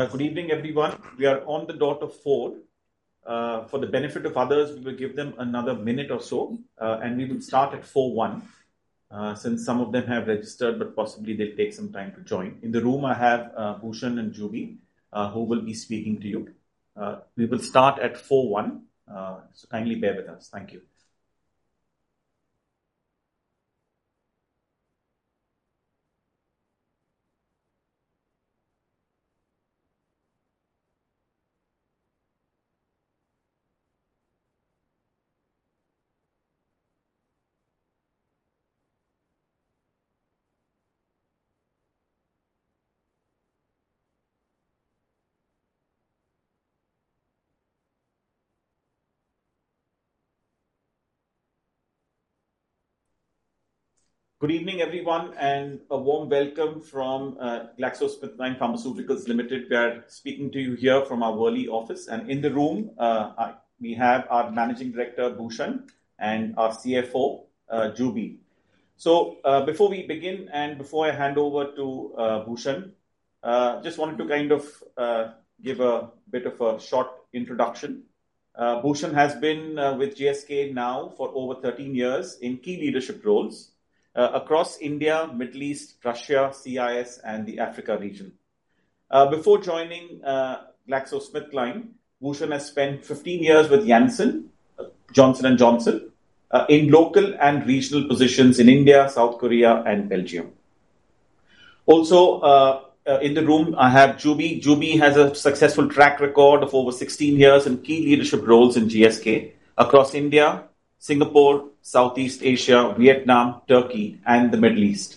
Good evening, everyone. We are on the dot of 4:00 P.M. For the benefit of others, we will give them another minute or so, and we will start at 4:01 P.M., since some of them have registered, but possibly they'll take some time to join. In the room, I have Bhushan and Juby, who will be speaking to you. We will start at 4:01 P.M., so kindly bear with us. Thank you. Good evening, everyone, and a warm welcome from GlaxoSmithKline Pharmaceuticals Limited. We are speaking to you here from our Worli office, and in the room, we have our Managing Director, Bhushan, and our CFO, Juby. So, before we begin, and before I hand over to Bhushan, just wanted to kind of give a bit of a short introduction. Bhushan has been with GSK now for over 13 years in key leadership roles across India, Middle East, Russia, CIS, and the Africa region. Before joining GlaxoSmithKline, Bhushan has spent 15 years with Janssen, Johnson & Johnson in local and regional positions in India, South Korea, and Belgium. Also in the room, I have Juby. Juby has a successful track record of over 16 years in key leadership roles in GSK across India, Singapore, Southeast Asia, Vietnam, Turkey, and the Middle East.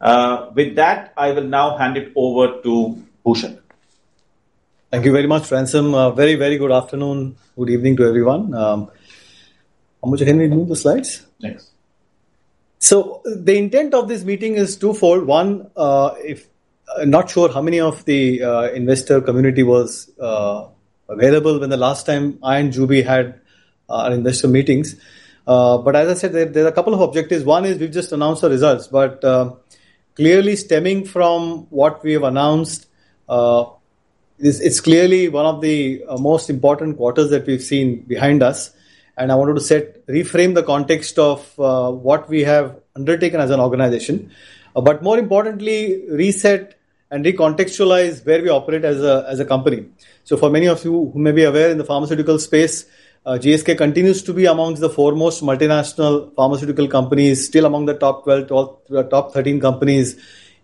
With that, I will now hand it over to Bhushan. Thank you very much, Ransom. Very, very good afternoon. Good evening to everyone. Ambuja, can we move the slides? Yes. So the intent of this meeting is twofold. One, I'm not sure how many of the Investor Community was available when the last time I and Juby had our investor meetings. But as I said, there are a couple of objectives. One is we've just announced our results, but clearly stemming from what we have announced, this is clearly one of the most important quarters that we've seen behind us, and I wanted to reframe the context of what we have undertaken as an organization. But more importantly, reset and recontextualize where we operate as a company. So for many of you who may be aware, in the pharmaceutical space, GSK continues to be among the foremost multinational pharmaceutical companies, still among the top 12 to top 13 companies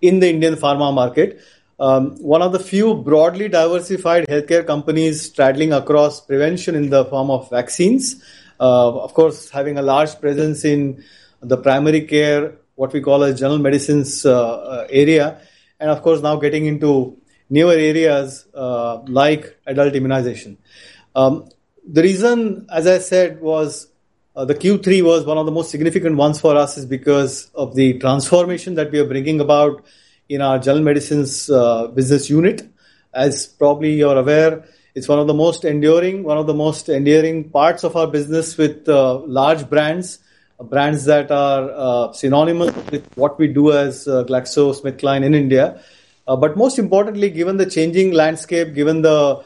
in the Indian pharma market. One of the few broadly diversified healthcare companies straddling across prevention in the form of vaccines. Of course, having a large presence in the primary care, what we call a general medicines area, and of course, now getting into newer areas like adult immunization. The reason, as I said, was the Q3 was one of the most significant ones for us is because of the transformation that we are bringing about in our general medicines business unit. As probably you're aware, it's one of the most enduring parts of our business with large brands, brands that are synonymous with what we do as GlaxoSmithKline in India. But most importantly, given the changing landscape, given the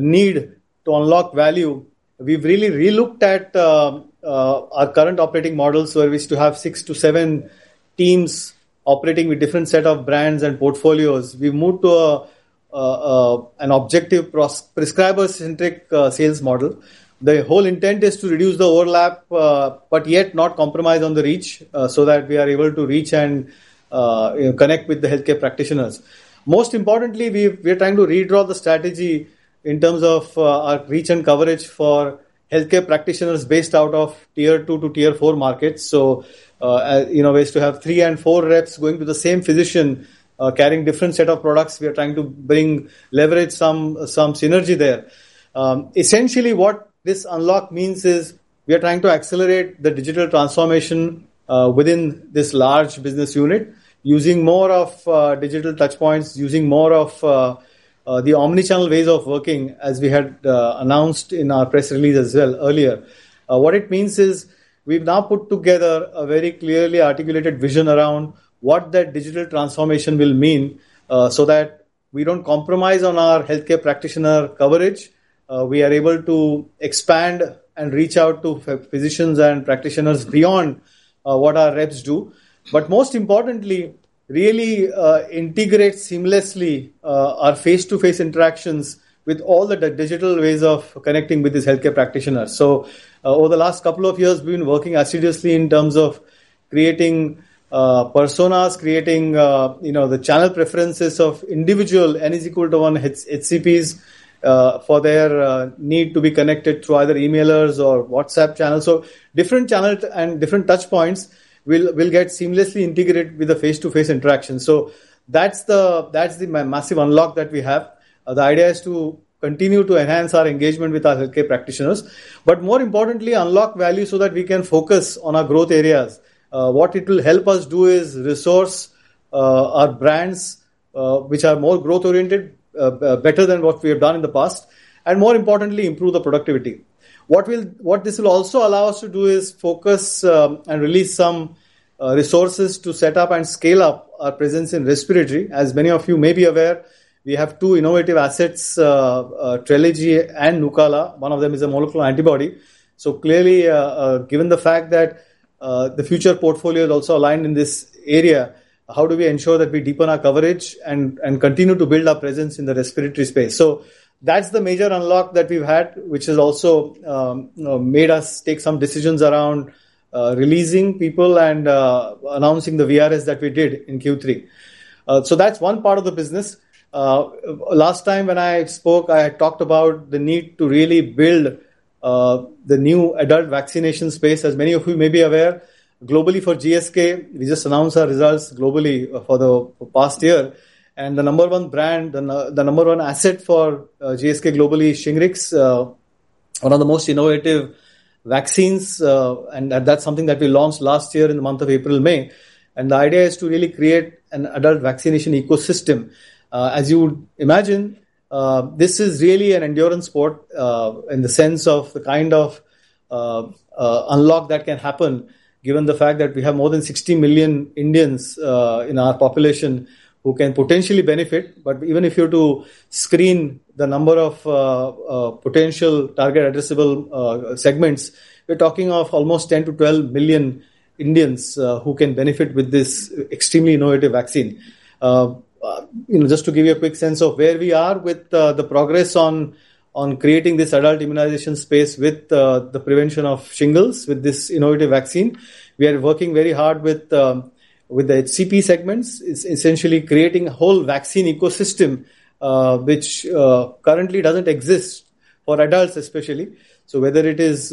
need to unlock value, we've really relooked at our current operating model, where we used to have 6 to 7 teams operating with different set of brands and portfolios. We've moved to a prescriber-centric sales model. The whole intent is to reduce the overlap, but yet not compromise on the reach, so that we are able to reach and connect with the healthcare practitioners. Most importantly, we are trying to redraw the strategy in terms of our reach and coverage for healthcare practitioners based out of Tier 2 to Tier 4 markets. So, you know, we used to have 3 and 4 reps going to the same physician, carrying different set of products. We are trying to leverage some synergy there. Essentially, what this unlock means is, we are trying to accelerate the digital transformation within this large business unit, using more of digital touchpoints, using more of the omni-channel ways of working, as we had announced in our press release as well earlier. What it means is, we've now put together a very clearly articulated vision around what that digital transformation will mean, so that we don't compromise on our healthcare practitioner coverage. We are able to expand and reach out to physicians and practitioners beyond what our reps do, but most importantly, really integrate seamlessly our face-to-face interactions with all the digital ways of connecting with these healthcare practitioners. So over the last couple of years, we've been working assiduously in terms of creating personas, creating you know the channel preferences of individual N=1 HCPs for their need to be connected through either emailers or WhatsApp channels. So different channels and different touchpoints will get seamlessly integrated with the face-to-face interactions. So that's the massive unlock that we have. The idea is to continue to enhance our engagement with our healthcare practitioners, but more importantly, unlock value so that we can focus on our growth areas. What it will help us do is resource our brands which are more growth-oriented better than what we have done in the past, and more importantly, improve the productivity. What this will also allow us to do is focus, and release some resources to set up and scale up our presence in respiratory. As many of you may be aware, we have two innovative assets, Trelegy and Nucala. One of them is a monoclonal antibody. So clearly, given the fact that, the future portfolio is also aligned in this area, how do we ensure that we deepen our coverage and continue to build our presence in the respiratory space? So that's the major unlock that we've had, which has also, made us take some decisions around, releasing people and, announcing the VRS that we did in Q3. So that's one part of the business. Last time when I spoke, I had talked about the need to really build the new adult vaccination space. As many of you may be aware, globally for GSK, we just announced our results globally for the past year, and the number one brand, the number one asset for GSK globally is Shingrix, one of the most innovative vaccines, and that's something that we launched last year in the month of April/May. The idea is to really create an adult vaccination ecosystem. As you would imagine, this is really an endurance sport in the sense of the kind of unlock that can happen, given the fact that we have more than 60 million Indians in our population who can potentially benefit. But even if you were to screen the number of potential target addressable segments, we're talking of almost 10-12 million Indians who can benefit with this extremely innovative vaccine. Just to give you a quick sense of where we are with the progress on creating this adult immunization space with the prevention of shingles, with this innovative vaccine. We are working very hard with the HCP segments. It's essentially creating a whole vaccine ecosystem which currently doesn't exist for adults, especially. So whether it is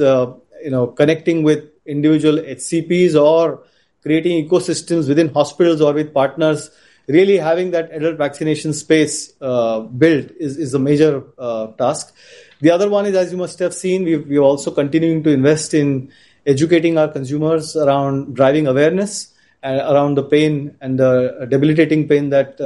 connecting with individual HCPs or creating ecosystems within hospitals or with partners, really having that adult vaccination space built is a major task. The other one is, as you must have seen, we're also continuing to invest in educating our consumers around driving awareness around the pain and the debilitating pain that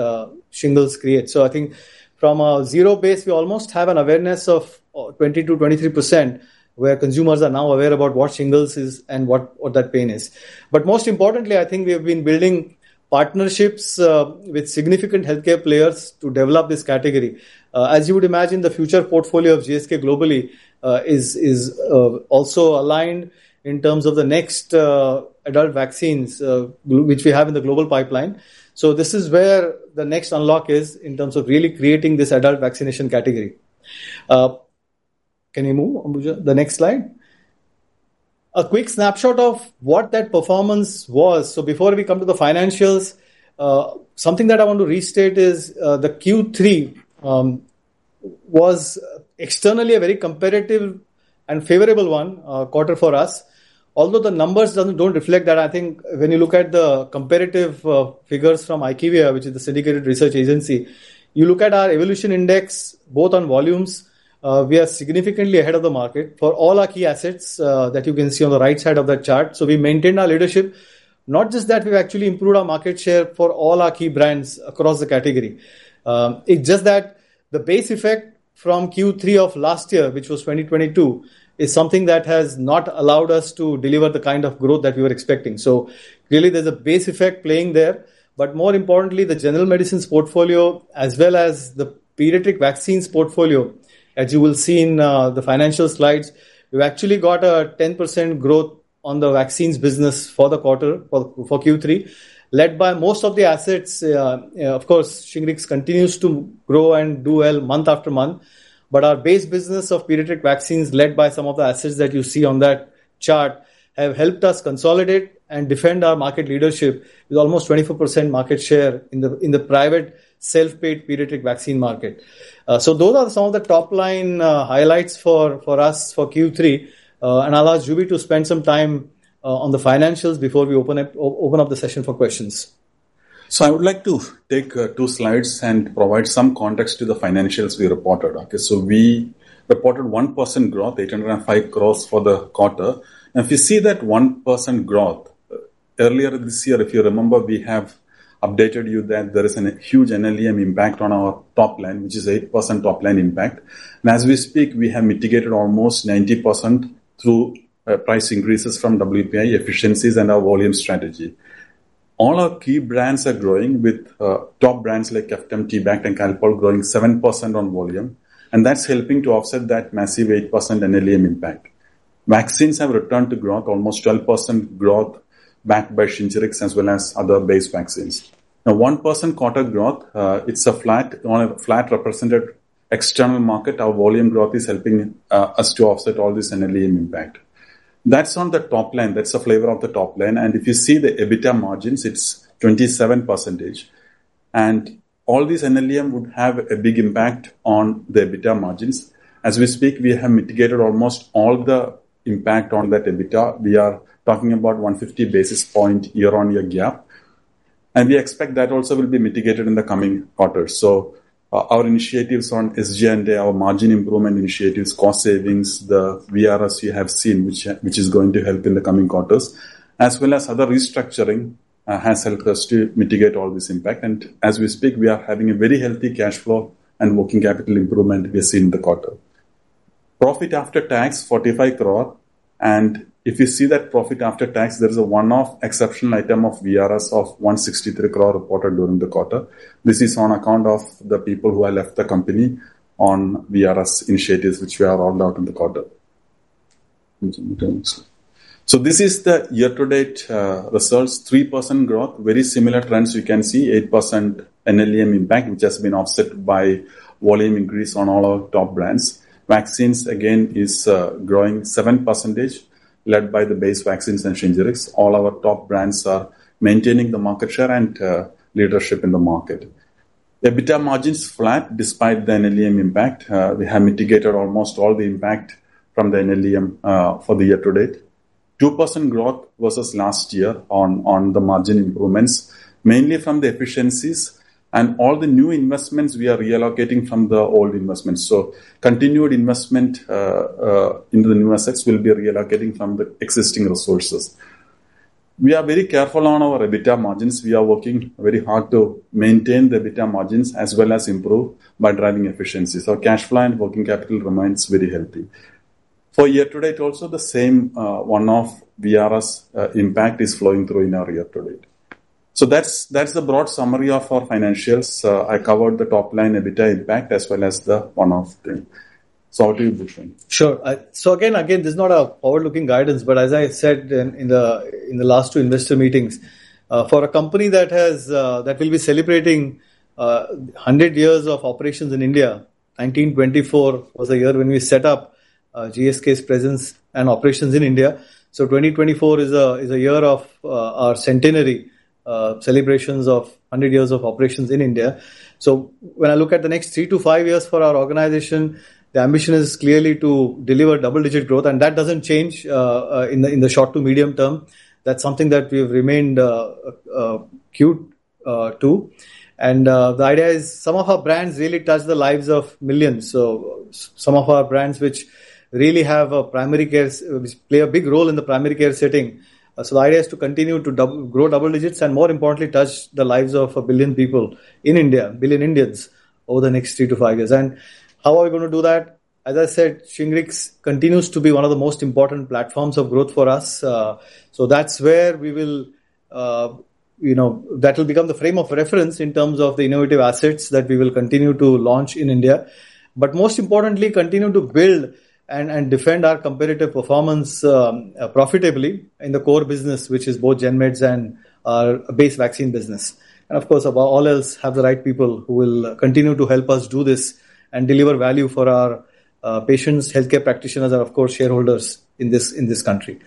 shingles creates. So I think from a zero base, we almost have an awareness of 20%-23%, where consumers are now aware about what shingles is and what that pain is. But most importantly, I think we have been building partnerships with significant healthcare players to develop this category. As you would imagine, the future portfolio of GSK globally is also aligned in terms of the next adult vaccines, which we have in the global pipeline. So this is where the next unlock is in terms of really creating this adult vaccination category. Can you move, Ambuja, the next slide? A quick snapshot of what that performance was. So before we come to the financials, something that I want to restate is, the Q3 was externally a very competitive and favorable one, quarter for us. Although the numbers don't reflect that, I think when you look at the competitive, figures from IQVIA, which is the syndicated research agency, you look at our evolution index, both on volumes, we are significantly ahead of the market for all our key assets, that you can see on the right side of that chart. So we maintained our leadership. Not just that, we've actually improved our market share for all our key brands across the category. It's just that the base effect from Q3 of last year, which was 2022, is something that has not allowed us to deliver the kind of growth that we were expecting. So really, there's a base effect playing there. But more importantly, the general medicines portfolio, as well as the pediatric vaccines portfolio, as you will see in the financial slides, we've actually got a 10% growth on the vaccines business for the quarter, for Q3, led by most of the assets. Of course, Shingrix continues to grow and do well month after month, but our base business of pediatric vaccines, led by some of the assets that you see on that chart, have helped us consolidate and defend our market leadership with almost 24% market share in the private self-paid pediatric vaccine market. Those are some of the top-line highlights for us for Q3, and I'll ask Juby to spend some time on the financials before we open up the session for questions. So I would like to take two slides and provide some context to the financials we reported. Okay, so we reported 1% growth, 805 crore for the quarter. And if you see that 1% growth, earlier this year, if you remember, we have updated you that there is a huge NLEM impact on our top line, which is 8% top line impact. And as we speak, we have mitigated almost 90% through price increases from WPI, efficiencies, and our volume strategy. All our key brands are growing, with top brands like Ceftum, T-Bact, and Calpol growing 7% on volume, and that's helping to offset that massive 8% NLEM impact. Vaccines have returned to growth, almost 12% growth, backed by Shingrix as well as other base vaccines. Now, 1% quarter growth, it's flat on a flat represented external market. Our volume growth is helping us to offset all this NLEM impact. That's on the top line. That's the flavor of the top line, and if you see the EBITDA margins, it's 27%. All this NLEM would have a big impact on the EBITDA margins. As we speak, we have mitigated almost all the impact on that EBITDA. We are talking about 150 basis point year-on-year gap, and we expect that also will be mitigated in the coming quarters. So, our initiatives on SG&A, our margin improvement initiatives, cost savings, the VRS you have seen, which is going to help in the coming quarters, as well as other restructuring, has helped us to mitigate all this impact. As we speak, we are having a very healthy cash flow and working capital improvement we see in the quarter. Profit after tax, 45 crore. And if you see that profit after tax, there is a one-off exceptional item of VRS of 163 crore reported during the quarter. This is on account of the people who have left the company on VRS initiatives, which we are rolled out in the quarter. So this is the year-to-date results, 3% growth. Very similar trends, you can see 8% NLEM impact, which has been offset by volume increase on all our top brands. Vaccines, again, is growing 7%, led by the base vaccines and Shingrix. All our top brands are maintaining the market share and leadership in the market. EBITDA margins flat, despite the NLEM impact. We have mitigated almost all the impact from the NLEM for the year-to-date. 2% growth versus last year on the margin improvements, mainly from the efficiencies and all the new investments we are reallocating from the old investments. So continued investment into the new assets will be reallocating from the existing resources. We are very careful on our EBITDA margins. We are working very hard to maintain the EBITDA margins as well as improve by driving efficiency. So cash flow and working capital remains very healthy. For year-to-date, also the same, one-off VRS impact is flowing through in our year-to-date. So that's the broad summary of our financials. I covered the top line EBITDA impact as well as the one-off thing. So over to you, Bhushan. Sure. So again, this is not a forward-looking guidance, but as I said in the last 2 investor meetings, for a company that has that will be celebrating 100 years of operations in India, 1924 was the year when we set up GSK's presence and operations in India. So 2024 is a year of our centenary celebrations of 100 years of operations in India. So when I look at the next 3-5 years for our organization, the ambition is clearly to deliver double-digit growth, and that doesn't change in the short to medium term. That's something that we've remained committed to. And the idea is some of our brands really touch the lives of millions. Some of our brands, which really have a primary care, which play a big role in the primary care setting. So the idea is to continue to grow double digits, and more importantly, touch the lives of a billion people in India, a billion Indians, over the next 3-5 years. And how are we gonna do that? As I said, Shingrix continues to be one of the most important platforms of growth for us. So that's where we will, you know, that will become the frame of reference in terms of the innovative assets that we will continue to launch in India, but most importantly, continue to build and defend our competitive performance, profitably in the core business, which is both Gen Meds and our base vaccine business. Of course, above all else, have the right people who will continue to help us do this and deliver value for our patients, healthcare practitioners, and, of course, shareholders in this, in this country.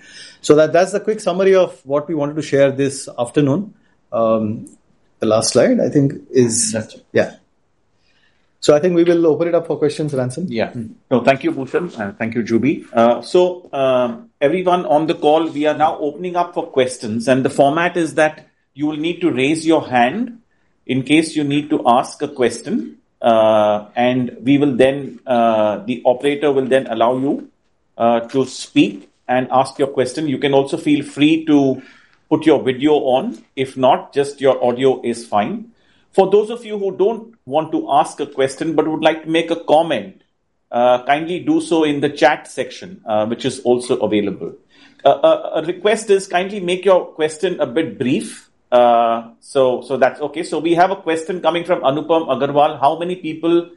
So that, that's the quick summary of what we wanted to share this afternoon. The last slide, I think is- That's it. Yeah. So I think we will open it up for questions, Ransom. Yeah. No, thank you, Bhushan, and thank you, Juby. So, everyone on the call, we are now opening up for questions, and the format is that you will need to raise your hand in case you need to ask a question, and we will then, the operator will then allow you, to speak and ask your question. You can also feel free to put your video on. If not, just your audio is fine. For those of you who don't want to ask a question but would like to make a comment, kindly do so in the chat section, which is also available. A request is kindly make your question a bit brief. So that's okay. So we have a question coming from Anupam Agarwal: How many people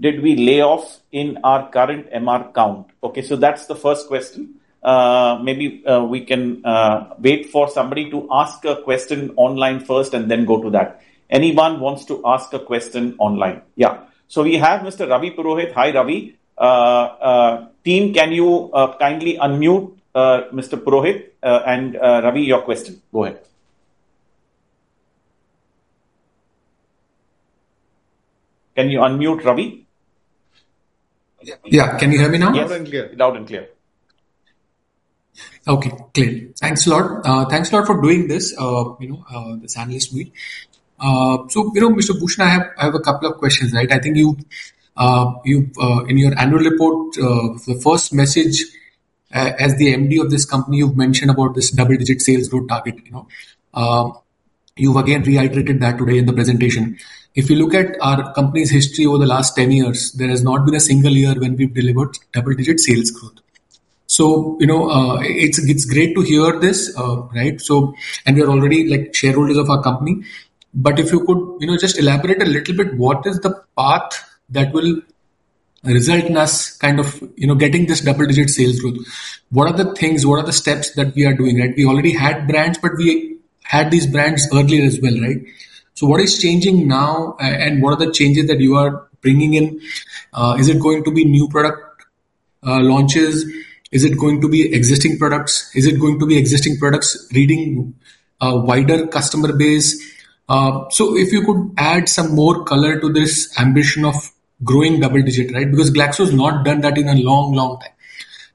did we lay off in our current MR count? Okay, so that's the first question. Maybe we can wait for somebody to ask a question online first and then go to that. Anyone wants to ask a question online? Yeah. So we have Mr. Ravi Purohit. Hi, Ravi. Team, can you kindly unmute Mr. Purohit? And Ravi, your question. Go ahead. Can you unmute, Ravi? Yeah, can you hear me now? Yes, loud and clear. Loud and clear. Okay, clearly. Thanks a lot. Thanks a lot for doing this, you know, this analyst meet. So, you know, Mr. Bhushan, I have a couple of questions, right? I think you, in your annual report, the first message, as the MD of this company, you've mentioned about this double-digit sales growth target, you know. You've again reiterated that today in the presentation. If you look at our company's history over the last 10 years, there has not been a single year when we've delivered double-digit sales growth. So, you know, it's great to hear this, right? So, we are already, like, shareholders of our company. But if you could, you know, just elaborate a little bit, what is the path that will result in us kind of, you know, getting this double-digit sales growth? What are the things, what are the steps that we are doing, right? We already had brands, but we had these brands earlier as well, right? So what is changing now, and what are the changes that you are bringing in? Is it going to be new product launches? Is it going to be existing products? Is it going to be existing products reaching a wider customer base? So if you could add some more color to this ambition of growing double digit, right? Because Glaxo's not done that in a long, long time.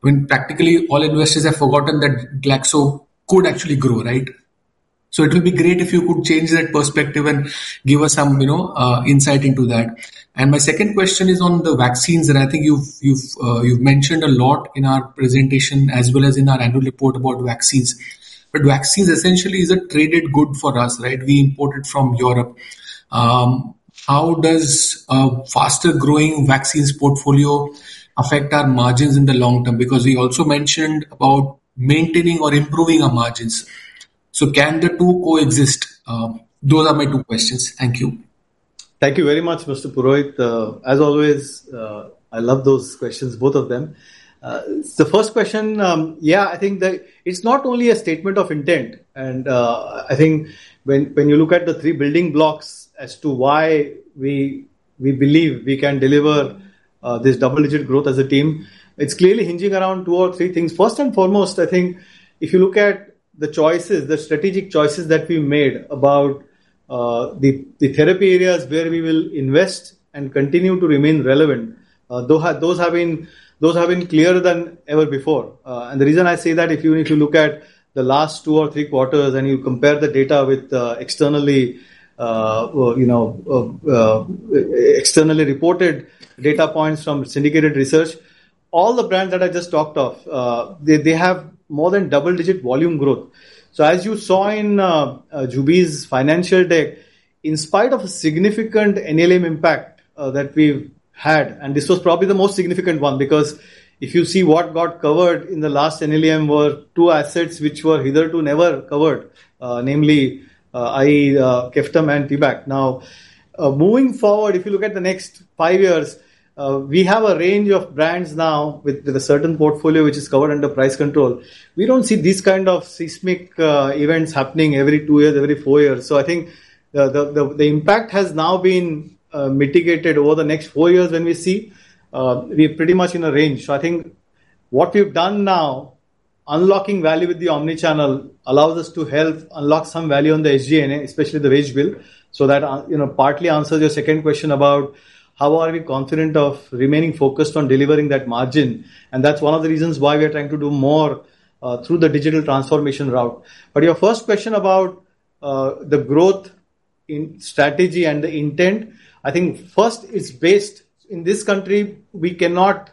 When practically all investors have forgotten that Glaxo could actually grow, right? So it will be great if you could change that perspective and give us some, you know, insight into that. And my second question is on the vaccines, and I think you've mentioned a lot in our presentation as well as in our annual report about vaccines. But vaccines essentially is a traded good for us, right? We import it from Europe. How does a faster growing vaccines portfolio affect our margins in the long term? Because we also mentioned about maintaining or improving our margins. So can the two coexist? Those are my two questions. Thank you. Thank you very much, Mr. Purohit. As always, I love those questions, both of them. The first question, yeah, I think that it's not only a statement of intent, and I think when you look at the three building blocks as to why we believe we can deliver this double-digit growth as a team, it's clearly hinging around two or three things. First and foremost, I think if you look at the choices, the strategic choices that we made about the therapy areas where we will invest and continue to remain relevant, those have been clearer than ever before. And the reason I say that, if you were to look at the last two or three quarters, and you compare the data with externally, you know, externally reported data points from syndicated research, all the brands that I just talked of, they have more than double-digit volume growth. So as you saw in Juby's financial deck, in spite of a significant NLEM impact that we've had, and this was probably the most significant one, because if you see what got covered in the last NLEM were two assets which were hitherto never covered, namely, Ceftum and T-Bact. Now, moving forward, if you look at the next five years, we have a range of brands now with a certain portfolio which is covered under price control. We don't see these kind of seismic events happening every two years, every four years. So I think the impact has now been mitigated over the next four years when we see we're pretty much in a range. So I think what we've done now, unlocking value with the omni-channel, allows us to help unlock some value on the SG&A, especially the wage bill. So that, you know, partly answers your second question about how are we confident of remaining focused on delivering that margin? And that's one of the reasons why we are trying to do more through the digital transformation route. But your first question about the growth in strategy and the intent, I think first it's based... In this country, we cannot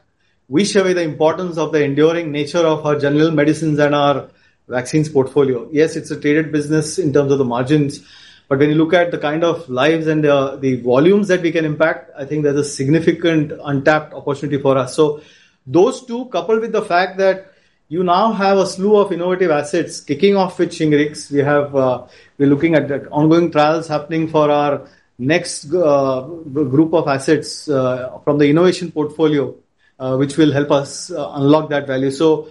wish away the importance of the enduring nature of our general medicines and our vaccines portfolio. Yes, it's a traded business in terms of the margins, but when you look at the kind of lives and the, the volumes that we can impact, I think there's a significant untapped opportunity for us. So those two, coupled with the fact that you now have a slew of innovative assets kicking off with Shingrix, we have, we're looking at the ongoing trials happening for our next, group of assets, from the innovation portfolio, which will help us, unlock that value. So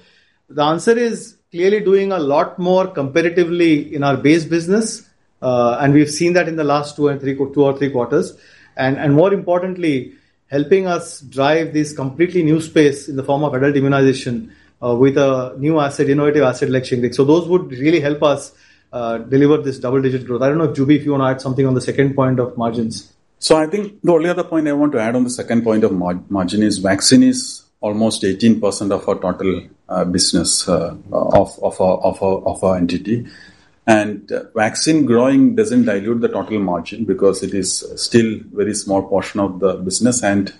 the answer is clearly doing a lot more competitively in our base business, and we've seen that in the last two and three, two or three quarters. And, and more importantly, helping us drive this completely new space in the form of adult immunization, with a new asset, innovative asset like Shingrix. So those would really help us, deliver this double-digit growth. I don't know, Juby, if you want to add something on the second point of margins. So I think the only other point I want to add on the second point of margin is vaccine is almost 18% of our total business of our entity. And vaccine growing doesn't dilute the total margin because it is still very small portion of the business, and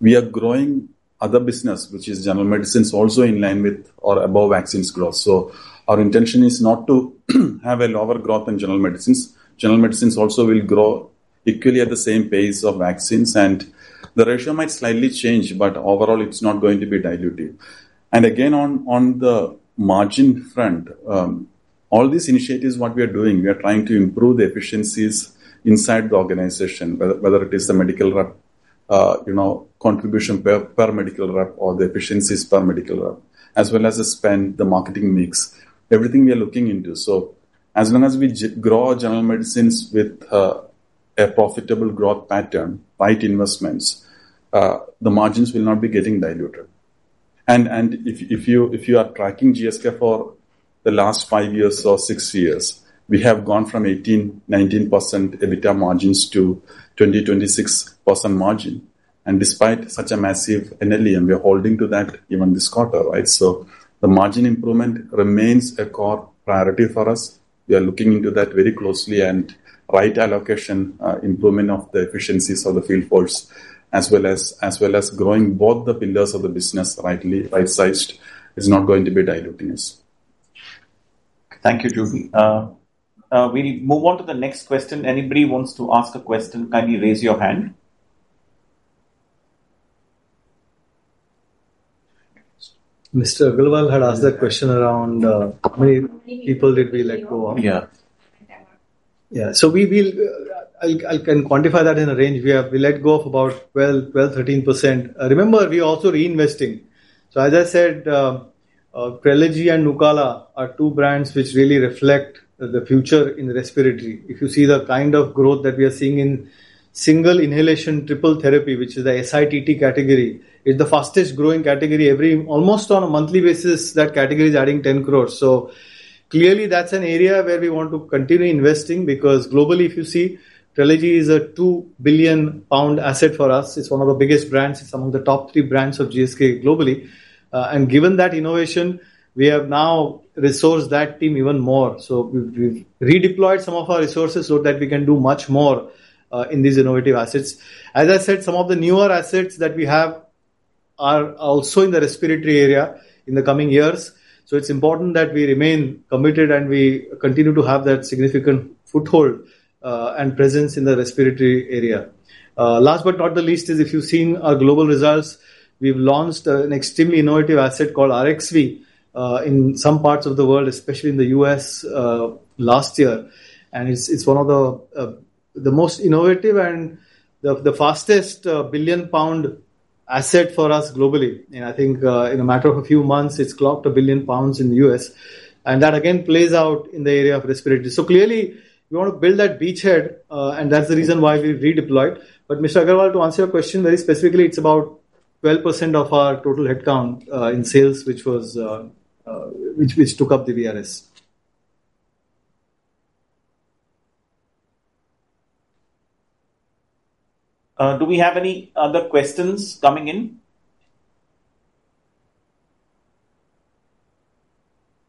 we are growing other business, which is general medicines, also in line with or above vaccines growth. So our intention is not to have a lower growth in general medicines. General medicines also will grow equally at the same pace of vaccines, and the ratio might slightly change, but overall, it's not going to be dilutive. And again, on the margin front, all these initiatives, what we are doing, we are trying to improve the efficiencies inside the organization, whether it is the medical rep, you know, contribution per medical rep or the efficiencies per medical rep, as well as the spend, the marketing mix, everything we are looking into. So as long as we grow our general medicines with a profitable growth pattern, right investments, the margins will not be getting diluted. And if you are tracking GSK for the last five years or six years, we have gone from 18%-19% EBITDA margins to 20%-26% margin. And despite such a massive NLEM, we are holding to that even this quarter, right? So the margin improvement remains a core priority for us. We are looking into that very closely and right allocation, improvement of the efficiencies of the field force, as well as growing both the pillars of the business rightly, right-sized, is not going to be dilutive. Thank you, Juby. We move on to the next question. Anybody wants to ask a question, kindly raise your hand. Mr. Agarwal had asked that question around how many people did we let go of? Yeah. Yeah. So we will, I, I can quantify that in a range. We have, we let go of about 12%-13%. Remember, we are also reinvesting. So as I said, Trelegy and Nucala are two brands which really reflect the future in respiratory. If you see the kind of growth that we are seeing in single inhalation, triple therapy, which is the SITT category, it's the fastest growing category. Almost on a monthly basis, that category is adding 10 crore. So clearly, that's an area where we want to continue investing, because globally, if you see, Trelegy is a 2 billion pound asset for us. It's one of our biggest brands, it's among the top three brands of GSK globally. And given that innovation, we have now resourced that team even more. So we've, we've redeployed some of our resources so that we can do much more, in these innovative assets. As I said, some of the newer assets that we have are also in the respiratory area in the coming years. So it's important that we remain committed and we continue to have that significant foothold, and presence in the respiratory area. Last but not the least is if you've seen our global results, we've launched an extremely innovative asset called Arexvy, in some parts of the world, especially in the U.S., last year. And it's, it's one of the, the most innovative and the, the fastest billion-pound asset for us globally. And I think, in a matter of a few months, it's clocked 1 billion pounds in the U.S., and that again plays out in the area of respiratory. So clearly, we want to build that beachhead, and that's the reason why we redeployed. But Mr. Agarwal, to answer your question very specifically, it's about 12% of our total headcount in sales, which was, which took up the VRS. Do we have any other questions coming in?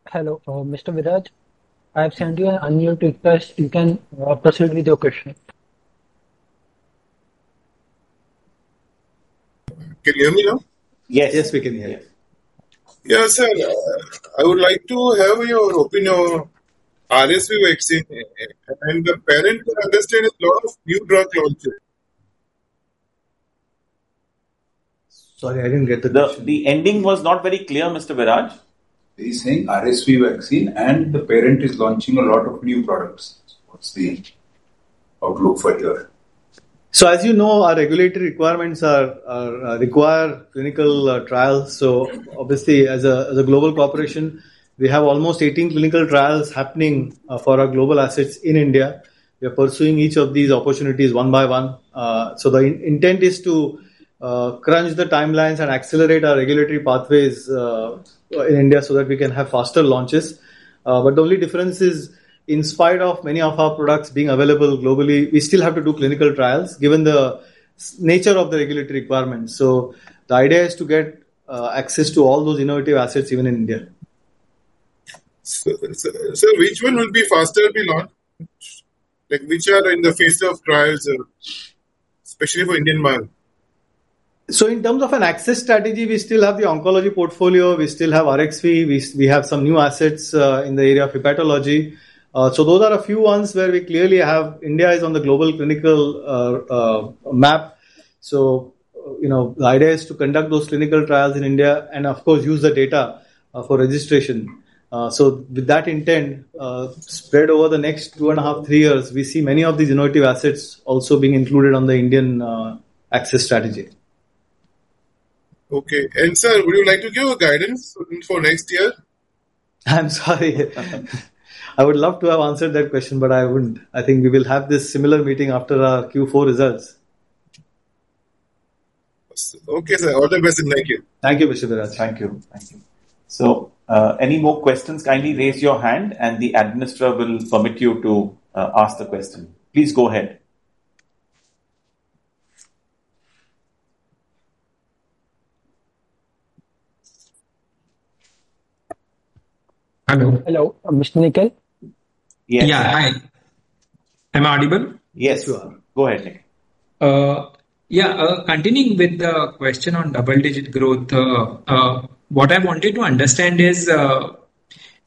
Hello, Mr. Viraj, I have sent you an unmute request. You can proceed with your question. Can you hear me now? Yes. Yes, we can hear you. Yeah, sir, I would like to have your opinion on the RSV vaccine, and the parent, I understand, is a lot of new drug launches. Sorry, I didn't get the question. The ending was not very clear, Mr. Viraj. He's saying RSV vaccine, and the parent is launching a lot of new products. What's the outlook for here? So, as you know, our regulatory requirements require clinical trials. So obviously, as a global corporation, we have almost 18 clinical trials happening for our global assets in India. We are pursuing each of these opportunities one by one. So the intent is to crunch the timelines and accelerate our regulatory pathways in India so that we can have faster launches. But the only difference is, in spite of many of our products being available globally, we still have to do clinical trials given the nature of the regulatory requirements. So the idea is to get access to all those innovative assets, even in India. So, sir, which one will be faster to be launched? Like, which are in the phase of trials, especially for the Indian market? So in terms of an access strategy, we still have the oncology portfolio, we still have Arexvy, we have some new assets in the area of hepatology. So those are a few ones where we clearly have... India is on the global clinical map. So, you know, the idea is to conduct those clinical trials in India and, of course, use the data for registration. So with that intent, spread over the next 2.5-3 years, we see many of these innovative assets also being included on the Indian access strategy. Okay. Sir, would you like to give guidance for next year? I'm sorry. I would love to have answered that question, but I wouldn't. I think we will have this similar meeting after our Q4 results. Okay, sir. All the best, and thank you. Thank you, Mr. Viraj. Thank you. Thank you. So, any more questions? Kindly raise your hand, and the administrator will permit you to ask the question. Please go ahead. Hello. Hello, Mr. Nikhil? Yeah. Hi. Am I audible? Yes, you are. Go ahead. Yeah, continuing with the question on double-digit growth, what I wanted to understand is,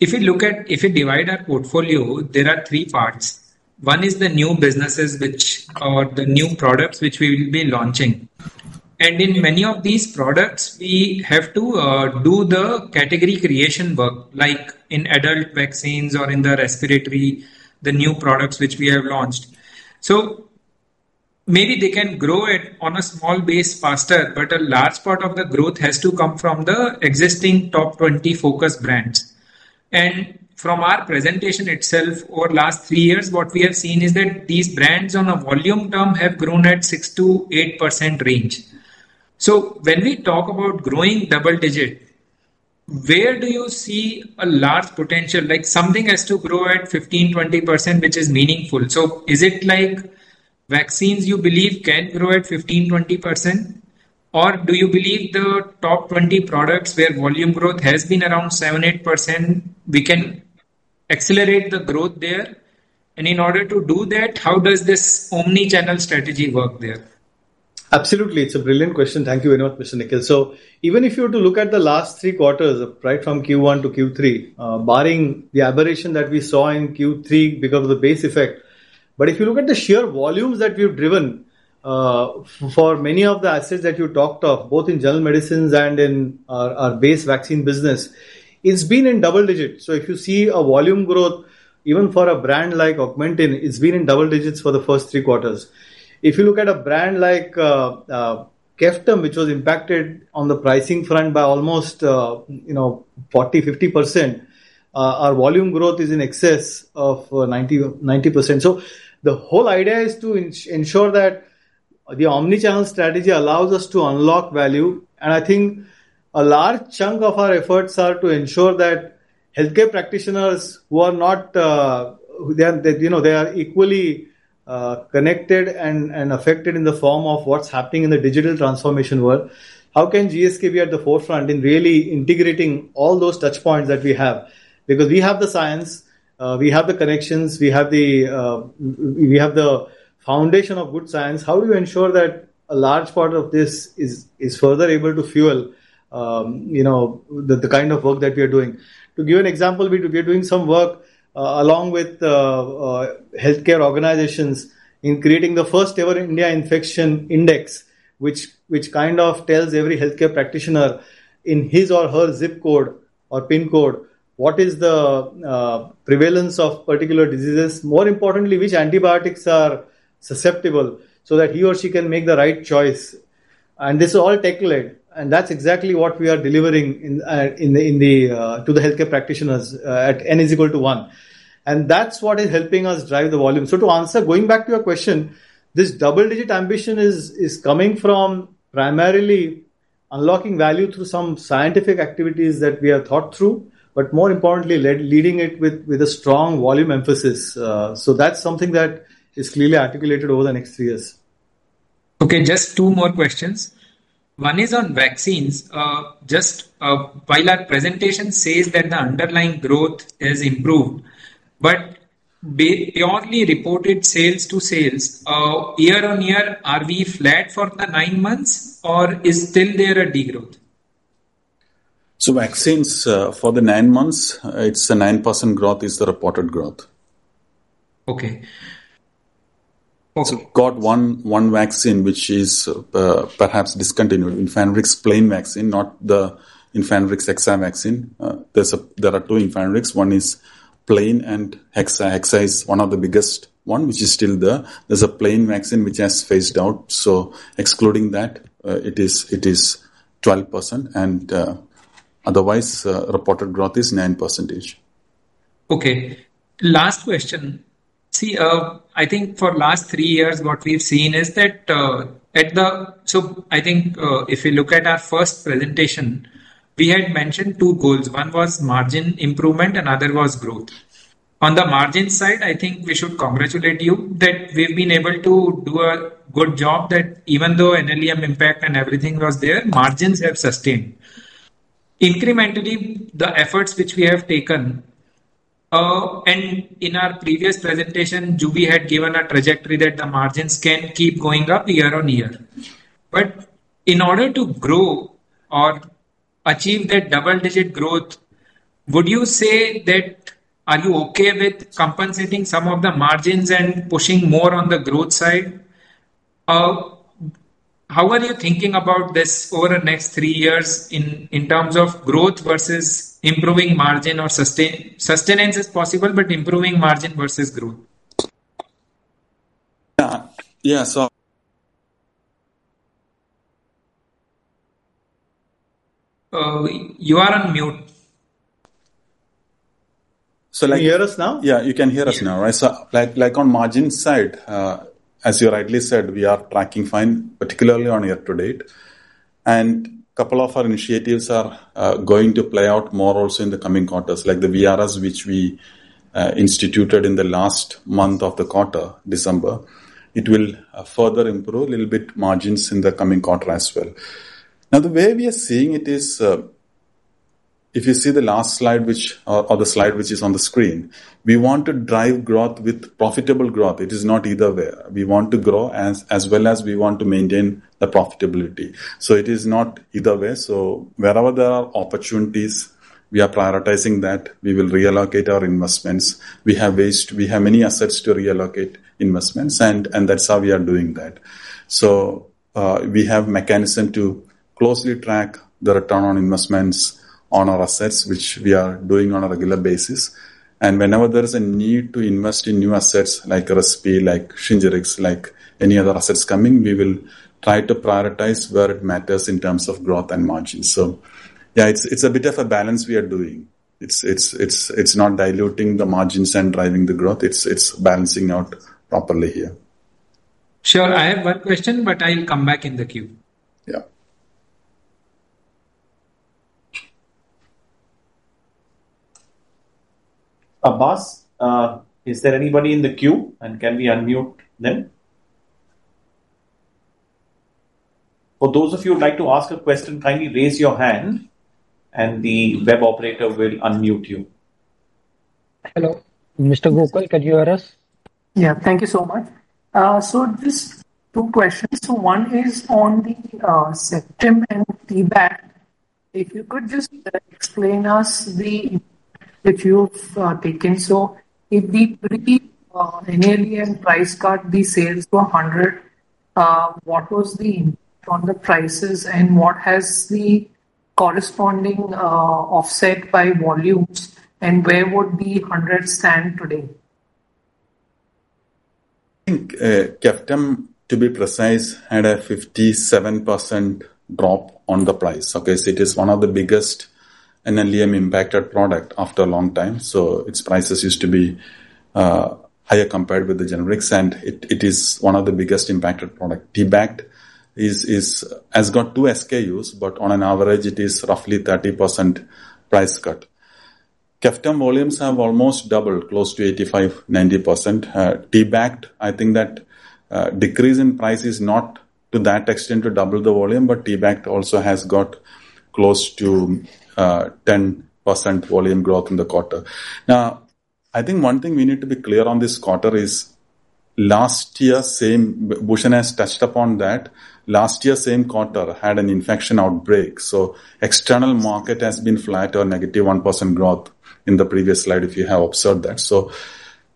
if you look at if you divide our portfolio, there are three parts. One is the new businesses which or the new products which we will be launching. And in many of these products, we have to do the category creation work, like in adult vaccines or in the respiratory, the new products which we have launched. So maybe they can grow it on a small base faster, but a large part of the growth has to come from the existing top 20 focus brands. And from our presentation itself over last three years, what we have seen is that these brands, on a volume term, have grown at 6%-8% range. So when we talk about growing double digit, where do you see a large potential? Like, something has to grow at 15%-20%, which is meaningful. So is it like vaccines you believe can grow at 15%-20%? Or do you believe the top 20 products, where volume growth has been around 7%-8%, we can accelerate the growth there? And in order to do that, how does this omni-channel strategy work there? Absolutely. It's a brilliant question. Thank you very much, Mr. Nikhil. So even if you were to look at the last three quarters, right from Q1 to Q3, barring the aberration that we saw in Q3 because of the base effect, but if you look at the sheer volumes that we've driven for many of the assets that you talked of, both in general medicines and in our base vaccine business, it's been in double digits. So if you see a volume growth, even for a brand like Augmentin, it's been in double digits for the first three quarters. If you look at a brand like Ceftum, which was impacted on the pricing front by almost, you know, 40%-50%, our volume growth is in excess of 90%. So the whole idea is to ensure that the omni-channel strategy allows us to unlock value, and I think a large chunk of our efforts are to ensure that healthcare practitioners who are not, they are, they, you know, they are equally connected and affected in the form of what's happening in the digital transformation world, how can GSK be at the forefront in really integrating all those touch points that we have? Because we have the science, we have the connections, we have the, we have the foundation of good science. How do you ensure that a large part of this is further able to fuel, you know, the kind of work that we are doing? To give an example, we are doing some work along with healthcare organizations in creating the first-ever India Infection Index, which kind of tells every healthcare practitioner in his or her zip code or pin code what is the prevalence of particular diseases, more importantly, which antibiotics are susceptible, so that he or she can make the right choice. This is all tech-led, and that's exactly what we are delivering to the healthcare practitioners at N is equal to 1. That's what is helping us drive the volume. To answer, going back to your question, this double-digit ambition is coming from primarily unlocking value through some scientific activities that we have thought through, but more importantly, leading it with a strong volume emphasis. That's something that is clearly articulated over the next three years. Okay, just two more questions. One is on vaccines. Just, while our presentation says that the underlying growth has improved, but purely reported sales to sales, year-on-year, are we flat for the nine months, or is still there a degrowth? Vaccines, for the nine months, it's a 9% growth is the reported growth. Okay. Okay. Got 1 vaccine, which is perhaps discontinued, Infanrix plain vaccine, not the Infanrix Hexa vaccine. There are 2 Infanrix, one is plain and Hexa. Hexa is one of the biggest one, which is still there. There's a plain vaccine which has phased out, so excluding that, it is 12%, and otherwise, reported growth is 9%. Okay. Last question: See, I think for last three years, what we've seen is that, if you look at our first presentation, we had mentioned two goals. One was margin improvement and other was growth. On the margin side, I think we should congratulate you that we've been able to do a good job, that even though NLEM impact and everything was there, margins have sustained. Incrementally, the efforts which we have taken, and in our previous presentation, Juby had given a trajectory that the margins can keep going up year on year. But in order to grow or achieve that double-digit growth, would you say that are you okay with compensating some of the margins and pushing more on the growth side? How are you thinking about this over the next three years in terms of growth versus improving margin, or sustenance is possible, but improving margin versus growth? Yeah, so- You are on mute. So like- Can you hear us now? Yeah, you can hear us now, right. So like, like on margin side, as you rightly said, we are tracking fine, particularly on year to date. A couple of our initiatives are going to play out more also in the coming quarters, like the VRS, which we instituted in the last month of the quarter, December. It will further improve little bit margins in the coming quarter as well. Now, the way we are seeing it is, if you see the last slide, which or the slide which is on the screen, we want to drive growth with profitable growth. It is not either way. We want to grow as well as we want to maintain the profitability. So it is not either way. So wherever there are opportunities, we are prioritizing that, we will reallocate our investments. We have waste, we have many assets to reallocate investments, and that's how we are doing that. So, we have mechanism to closely track the return on investments on our assets, which we are doing on a regular basis. And whenever there is a need to invest in new assets, like Arexvy, like Shingrix, like any other assets coming, we will try to prioritize where it matters in terms of growth and margins. So yeah, it's a bit of a balance we are doing. It's not diluting the margins and driving the growth. It's balancing out properly here. Sure. I have one question, but I'll come back in the queue. Yeah. Abbas, is there anybody in the queue, and can we unmute them? For those of you who'd like to ask a question, kindly raise your hand, and the web operator will unmute you. Hello. Mr. Gokul, can you hear us? Yeah. Thank you so much. So just two questions. So one is on the Ceftum and T-Bact. If you could just explain us the impact you've taken. So if we post the NLEM price cut, the sales to 100, what was the impact on the prices, and what has the corresponding offset by volumes, and where would the 100 stand today? I think, Ceftum, to be precise, had a 57% drop on the price. Okay? So it is one of the biggest NLEM impacted product after a long time, so its prices used to be, higher compared with the generics, and it, it is one of the biggest impacted product. T-Bact is... has got two SKUs, but on an average, it is roughly 30% price cut... Ceftum volumes have almost doubled, close to 85%-90%. T-Bact, I think that, decrease in price is not to that extent to double the volume, but T-Bact also has got close to, 10% volume growth in the quarter. Now, I think one thing we need to be clear on this quarter is last year, same- Bhushan has touched upon that. Last year, same quarter had an infection outbreak, so external market has been flat or negative 1% growth in the previous slide, if you have observed that. So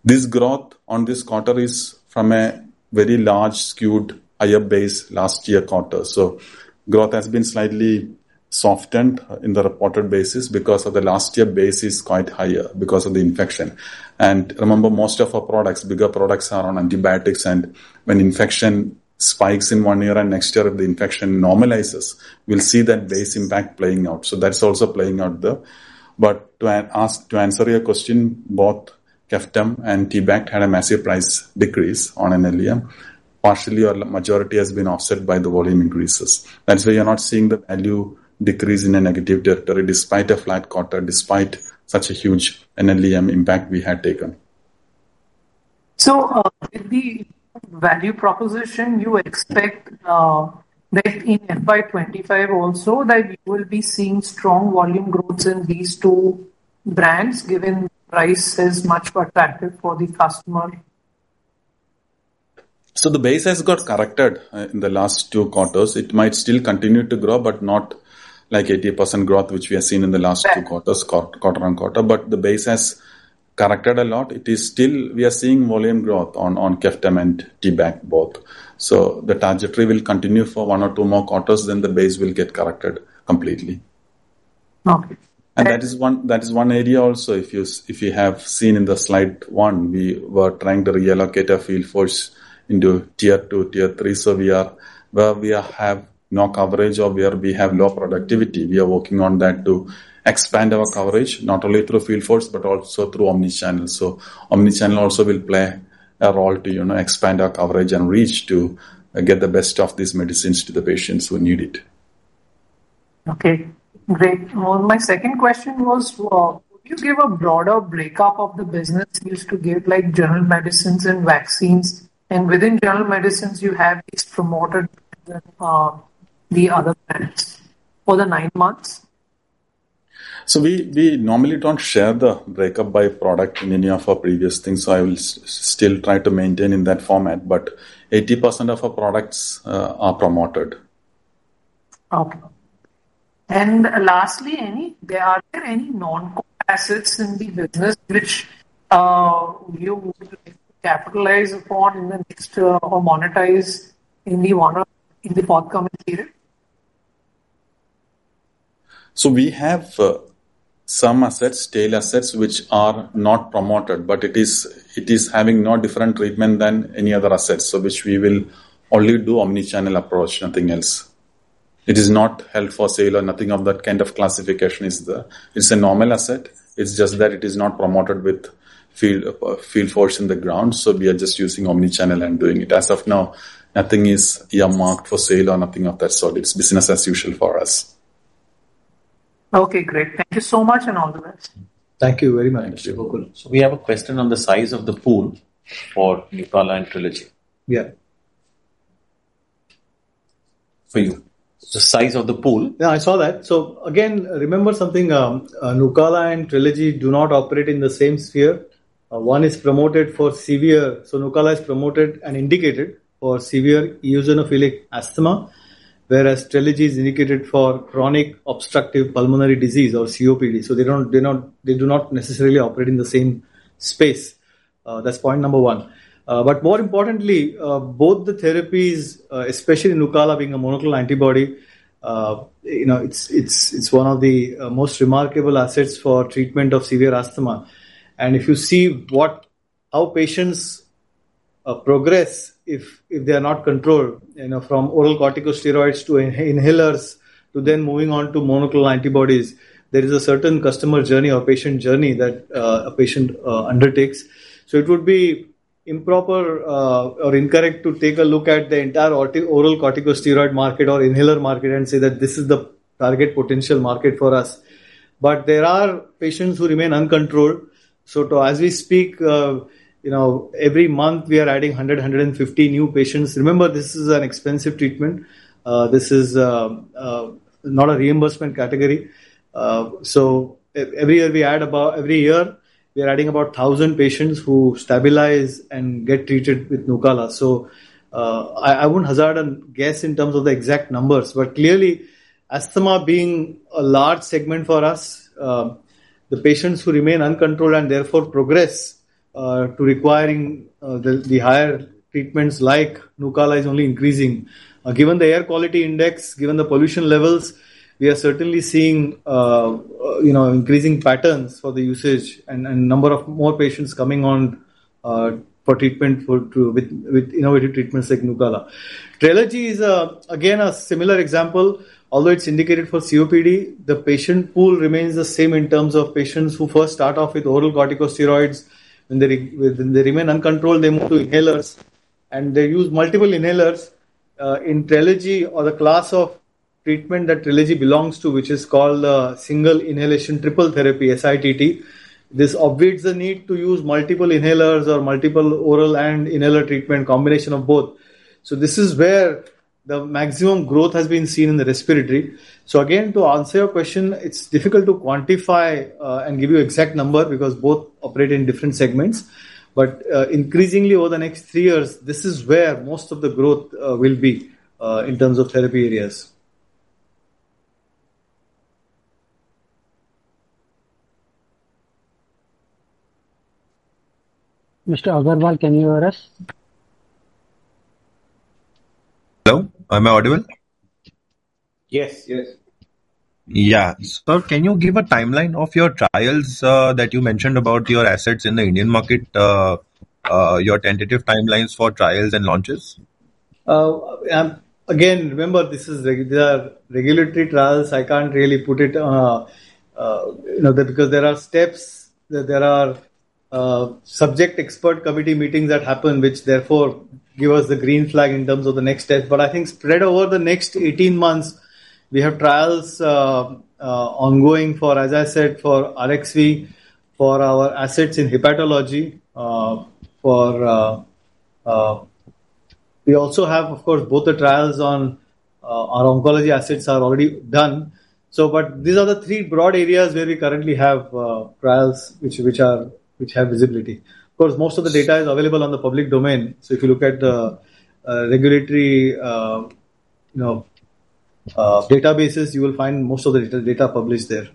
this growth on this quarter is from a very large, skewed, higher base last year quarter. So growth has been slightly softened in the reported basis because of the last year base is quite higher because of the infection. And remember, most of our products, bigger products, are on antibiotics, and when infection spikes in one year and next year if the infection normalizes, we'll see that base impact playing out. So that's also playing out there. But to answer your question, both Ceftum and T-Bact had a massive price decrease on NLEM. Partially or majority has been offset by the volume increases. That's why you're not seeing the value decrease in a negative territory despite a flat quarter, despite such a huge NLEM impact we had taken. So, with the value proposition, you expect that in FY 2025 also, that you will be seeing strong volume growths in these two brands, given price is much more attractive for the customer? So the base has got corrected in the last two quarters. It might still continue to grow, but not like 80% growth, which we have seen in the last two quarters, quarter on quarter. But the base has corrected a lot. It is still... We are seeing volume growth on, on Ceftum and T-Bact both. So the trajectory will continue for one or two more quarters, then the base will get corrected completely. Okay. That is one, that is one area also, if you have seen in the Slide 1, we were trying to reallocate our field force into tier two, tier three. So we are, where we have no coverage or where we have low productivity, we are working on that to expand our coverage, not only through field force, but also through omni-channel. So omni-channel also will play a role to, you know, expand our coverage and reach to get the best of these medicines to the patients who need it. Okay, great. Well, my second question was, could you give a broader breakup of the business you used to give, like general medicines and vaccines, and within general medicines you have each promoted, the other brands for the nine months? So we normally don't share the breakdown by product in any of our previous things, so I will still try to maintain that format, but 80% of our products are promoted. Okay. Lastly, are there any non-core assets in the business which you capitalize upon in the next or monetize in the one or in the forthcoming period? So we have some assets, tail assets, which are not promoted, but it is having no different treatment than any other assets. So which we will only do omni-channel approach, nothing else. It is not held for sale or nothing of that kind of classification is the... It's a normal asset. It's just that it is not promoted with field, field force in the ground, so we are just using omni-channel and doing it. As of now, nothing is earmarked for sale or nothing of that sort. It's business as usual for us. Okay, great. Thank you so much, and all the best. Thank you very much. We have a question on the size of the pool for Nucala and Trelegy. Yeah. For you. The size of the pool? Yeah, I saw that. So again, remember something, Nucala and Trelegy do not operate in the same sphere. One is promoted for severe... So Nucala is promoted and indicated for severe eosinophilic asthma, whereas Trelegy is indicated for chronic obstructive pulmonary disease or COPD. So they don't, they do not necessarily operate in the same space. That's point number one. But more importantly, both the therapies, especially Nucala being a monoclonal antibody, you know, it's one of the most remarkable assets for treatment of severe asthma. And if you see what how patients progress, if they are not controlled, you know, from oral corticosteroids to inhalers, to then moving on to monoclonal antibodies, there is a certain customer journey or patient journey that a patient undertakes. So it would be improper or incorrect to take a look at the entire oral corticosteroid market or inhaler market and say that this is the target potential market for us. But there are patients who remain uncontrolled, so as we speak, you know, every month we are adding 100-150 new patients. Remember, this is an expensive treatment. This is not a reimbursement category. So every year we add about every year, we are adding about 1,000 patients who stabilize and get treated with Nucala. So I wouldn't hazard and guess in terms of the exact numbers, but clearly, asthma being a large segment for us, the patients who remain uncontrolled and therefore progress to requiring the higher treatments like Nucala is only increasing. Given the air quality index, given the pollution levels, we are certainly seeing, you know, increasing patterns for the usage and, and number of more patients coming on, for treatment for, to, with, with innovative treatments like Nucala. Trelegy is, again, a similar example, although it's indicated for COPD, the patient pool remains the same in terms of patients who first start off with oral corticosteroids. When they remain uncontrolled, they move to inhalers, and they use multiple inhalers. In Trelegy or the class of treatment that Trelegy belongs to, which is called, Single Inhalation Triple Therapy, SITT. This obviates the need to use multiple inhalers or multiple oral and inhaler treatment, combination of both. So this is where the maximum growth has been seen in the respiratory. So again, to answer your question, it's difficult to quantify and give you exact number because both operate in different segments. But increasingly, over the next three years, this is where most of the growth will be in terms of therapy areas. Mr. Agarwal, can you hear us? Hello, am I audible? Yes. Yes. Yeah. Sir, can you give a timeline of your trials that you mentioned about your assets in the Indian market, your tentative timelines for trials and launches? Again, remember, this is the regulatory trials. I can't really put it, you know, because there are steps, there are Subject Expert Committee meetings that happen, which therefore give us the green flag in terms of the next step. But I think spread over the next 18 months, we have trials ongoing for, as I said, for Arexvy, for our assets in hepatology. We also have, of course, both the trials on our oncology assets are already done. So but these are the three broad areas where we currently have trials, which have visibility. Of course, most of the data is available on the public domain, so if you look at the regulatory, you know, databases, you will find most of the data published there.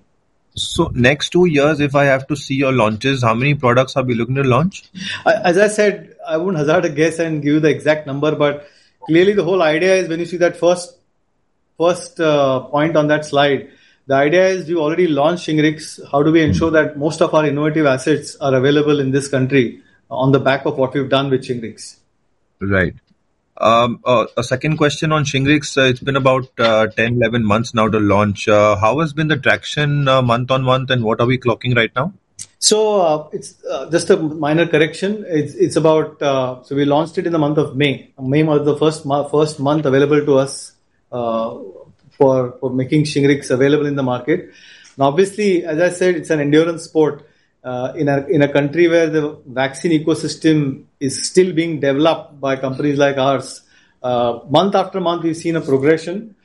Next two years, if I have to see your launches, how many products are we looking to launch? As I said, I wouldn't hazard a guess and give you the exact number, but clearly the whole idea is when you see that first point on that slide, the idea is you already launched Shingrix. How do we ensure that most of our innovative assets are available in this country on the back of what we've done with Shingrix? Right. A second question on Shingrix. It's been about 10, 11 months now to launch. How has been the traction month-on-month, and what are we clocking right now? So, it's just a minor correction. It's about... So we launched it in the month of May. May was the first month available to us for making Shingrix available in the market. Now, obviously, as I said, it's an endurance sport in a country where the vaccine ecosystem is still being developed by companies like ours. Month after month, we've seen a progression.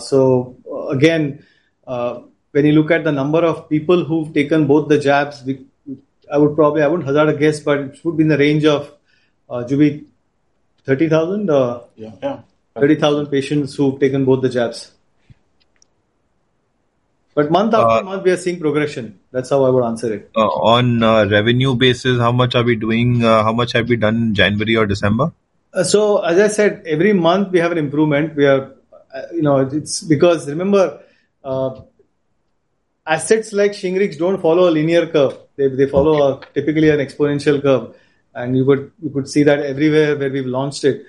So again, when you look at the number of people who've taken both the jabs, we, I would probably, I wouldn't hazard a guess, but it would be in the range of, Juby, 30,000? Yeah. 30,000 patients who've taken both the jabs. But month after month, we are seeing progression. That's how I would answer it. On revenue basis, how much are we doing? How much have we done January or December? So as I said, every month we have an improvement. We have, you know, it's because remember, assets like Shingrix don't follow a linear curve. They, they follow a typically an exponential curve, and you would, you could see that everywhere where we've launched it.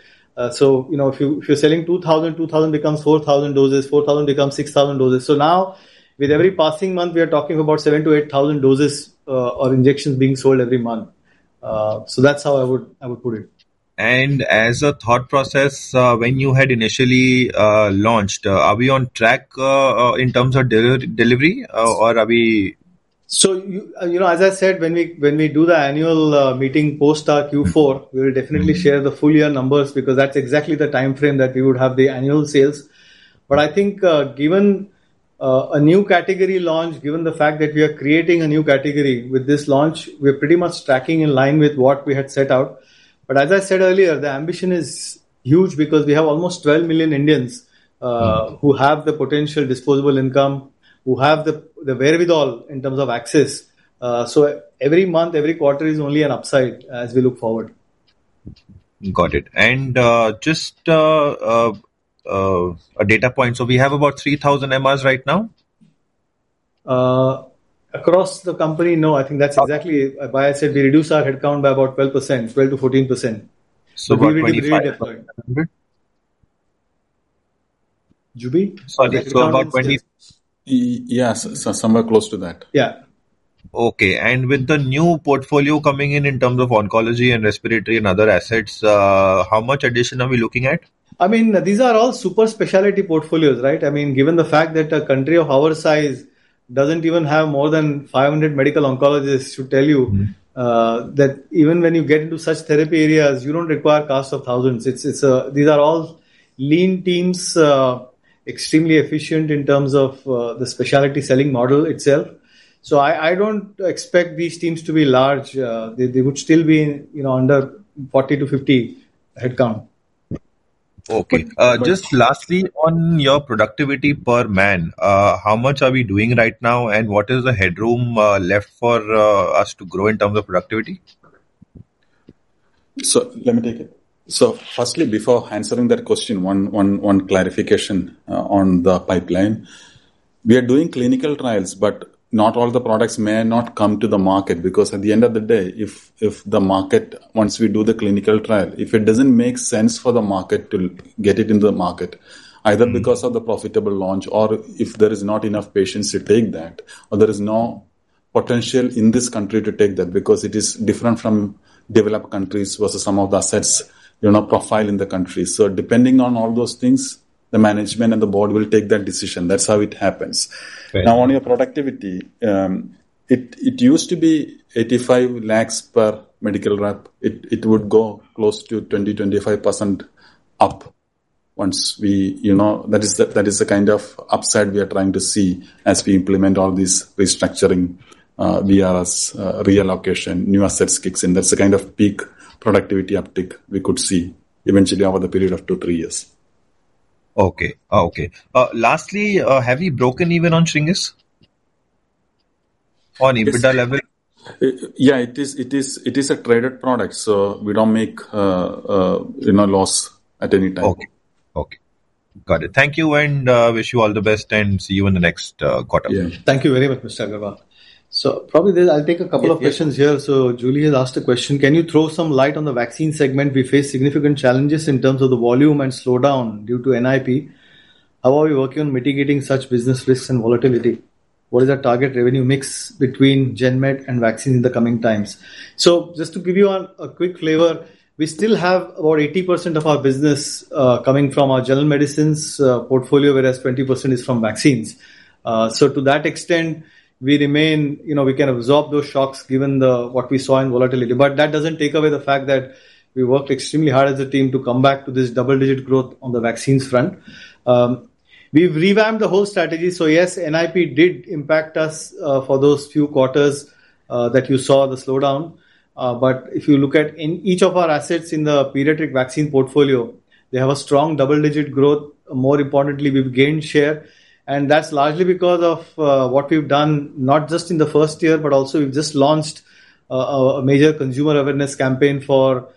So you know, if you, if you're selling 2,000, 2,000 becomes 4,000 doses, 4,000 becomes 6,000 doses. So now, with every passing month, we are talking about 7,000-8,000 doses, or injections being sold every month. So that's how I would, I would put it. As a thought process, when you had initially launched, are we on track in terms of delivery, or are we- So you know, as I said, when we do the annual meeting post our Q4, we will definitely share the full year numbers, because that's exactly the time frame that we would have the annual sales. But I think, given a new category launch, given the fact that we are creating a new category with this launch, we're pretty much tracking in line with what we had set out. But as I said earlier, the ambition is huge because we have almost 12 million Indians who have the potential disposable income, who have the wherewithal in terms of access. So every month, every quarter is only an upside as we look forward. Got it. And, just, a data point. So we have about 3,000 MRs right now? Across the company, no. I think that's exactly why I said we reduced our headcount by about 12%, 12%-14%. About 2,500? Juby? Sorry, so about 20- Yes, somewhere close to that. Yeah. Okay. With the new portfolio coming in, in terms of oncology and respiratory and other assets, how much addition are we looking at? I mean, these are all super specialty portfolios, right? I mean, given the fact that a country of our size doesn't even have more than 500 medical oncologists to tell you- That even when you get into such therapy areas, you don't require casts of thousands. It's these are all lean teams, extremely efficient in terms of the specialty selling model itself. So I don't expect these teams to be large. They would still be, you know, under 40-50 headcount. Okay. Just lastly, on your productivity per man, how much are we doing right now, and what is the headroom left for us to grow in terms of productivity? So let me take it. So firstly, before answering that question, one clarification on the pipeline. We are doing clinical trials, but not all the products may not come to the market, because at the end of the day, if the market, once we do the clinical trial, if it doesn't make sense for the market to get it into the market, either because of the profitable launch or if there is not enough patients to take that, or there is no potential in this country to take that, because it is different from developed countries versus some of the assets, you know, profile in the country. So depending on all those things, the management and the board will take that decision. That's how it happens. Right. Now, on your productivity, it used to be 85 lakhs per medical rep. It would go close to 20%-25% up once we, you know, that is the kind of upside we are trying to see as we implement all these restructuring via reallocation, new assets kicks in. That's the kind of peak productivity uptick we could see eventually over the period of 2-3 years. Okay. Oh, okay. Lastly, have you broken even on Shingrix, on EBITDA level? Yeah, it is, it is, it is a traded product, so we don't make, you know, loss at any time. Okay. Okay, got it. Thank you, and wish you all the best, and see you in the next quarter. Yeah. Thank you very much, Mr. Agarwal. So probably then I'll take a couple of questions here. Yeah. So Julie has asked a question: "Can you throw some light on the vaccine segment? We face significant challenges in terms of the volume and slowdown due to NIP. How are you working on mitigating such business risks and volatility? What is our target revenue mix between GenMed and vaccines in the coming times?" So just to give you a quick flavor, we still have over 80% of our business coming from our general medicines portfolio, whereas 20% is from vaccines. So to that extent, we remain... You know, we can absorb those shocks given the what we saw in volatility. But that doesn't take away the fact that we worked extremely hard as a team to come back to this double-digit growth on the vaccines front. We've revamped the whole strategy, so yes, NIP did impact us for those few quarters that you saw the slowdown. But if you look at in each of our assets in the pediatric vaccine portfolio, they have a strong double-digit growth. More importantly, we've gained share, and that's largely because of what we've done, not just in the first year, but also we've just launched a major consumer awareness campaign for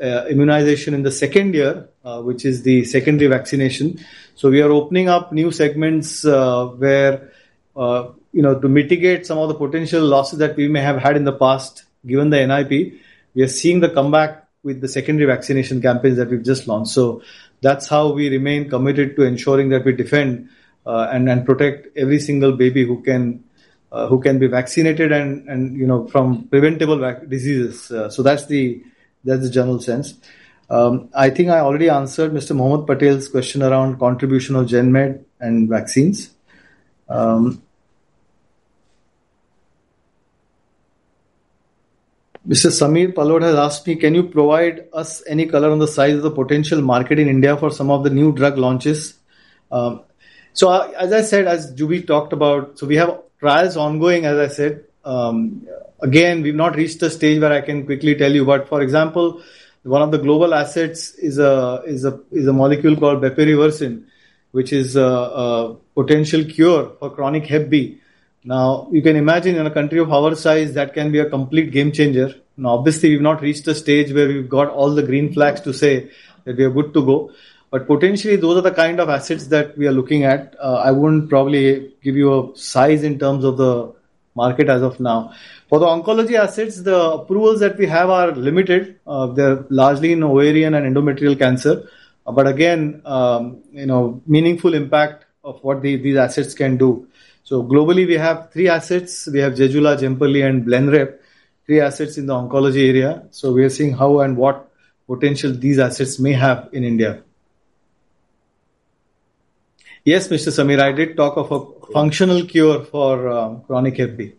immunization in the second year, which is the secondary vaccination. So we are opening up new segments, where you know, to mitigate some of the potential losses that we may have had in the past, given the NIP, we are seeing the comeback with the secondary vaccination campaigns that we've just launched. So that's how we remain committed to ensuring that we defend and protect every single baby who can be vaccinated and, you know, from preventable diseases. So that's the general sense. I think I already answered Mr. Mohammed Patel's question around contribution of GenMed and vaccines. Mr. Sameer Palod has asked me: "Can you provide us any color on the size of the potential market in India for some of the new drug launches?" So as I said, as Juby talked about, we have trials ongoing. Again, we've not reached a stage where I can quickly tell you. But, for example, one of the global assets is a molecule called bepirovirsen, which is a potential cure for chronic Hep B. Now, you can imagine in a country of our size, that can be a complete game changer. Now, obviously, we've not reached a stage where we've got all the green flags to say that we are good to go. But potentially those are the kind of assets that we are looking at. I wouldn't probably give you a size in terms of the market as of now. For the oncology assets, the approvals that we have are limited. They're largely in ovarian and endometrial cancer. But again, you know, meaningful impact of what these assets can do. So globally, we have three assets. We have Zejula, Jemperli, and Blenrep, three assets in the oncology area. So we are seeing how and what potential these assets may have in India. Yes, Mr. Sameer, I did talk of a functional cure for chronic Hep B.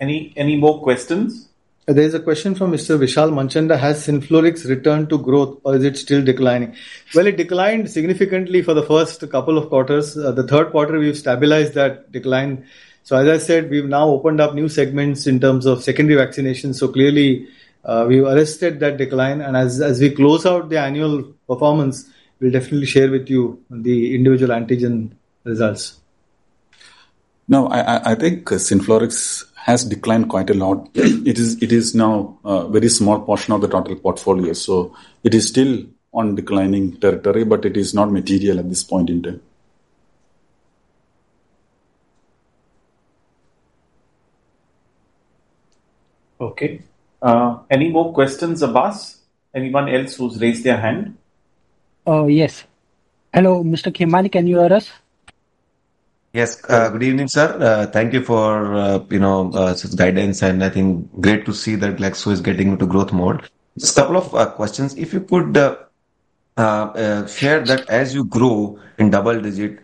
Any more questions? There's a question from Mr. Vishal Manchanda: "Has Synflorix returned to growth or is it still declining?" Well, it declined significantly for the first couple of quarters. The third quarter, we've stabilized that decline. So as I said, we've now opened up new segments in terms of secondary vaccination, so clearly, we've arrested that decline. And as we close out the annual performance, we'll definitely share with you the individual antigen results. Now, I think Synflorix has declined quite a lot. It is now a very small portion of the total portfolio, so it is still on declining territory, but it is not material at this point in time. Okay. Any more questions, Abbas? Anyone else who's raised their hand? Yes. Hello, Mr. Khemani, can you hear us? Yes. Good evening, sir. Thank you for, you know, such guidance, and I think great to see that Glaxo is getting into growth mode. Just a couple of questions. If you could share that as you grow in double-digit,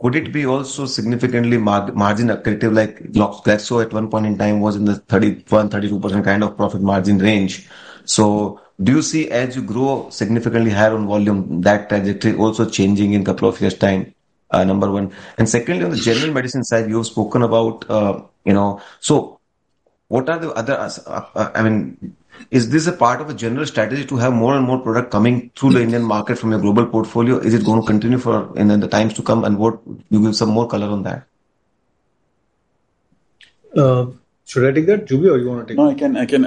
could it be also significantly margin accretive, like Glaxo at one point in time was in the 31%-32% kind of profit margin range. So do you see as you grow significantly higher on volume, that trajectory also changing in a couple of years' time? Number one. And secondly, on the general medicine side, you have spoken about, you know. So what are the other, I mean, is this a part of a general strategy to have more and more product coming through the Indian market from your global portfolio? Is it going to continue for... in the times to come, and what, give me some more color on that? Should I take that, Juby, or you wanna take it? No,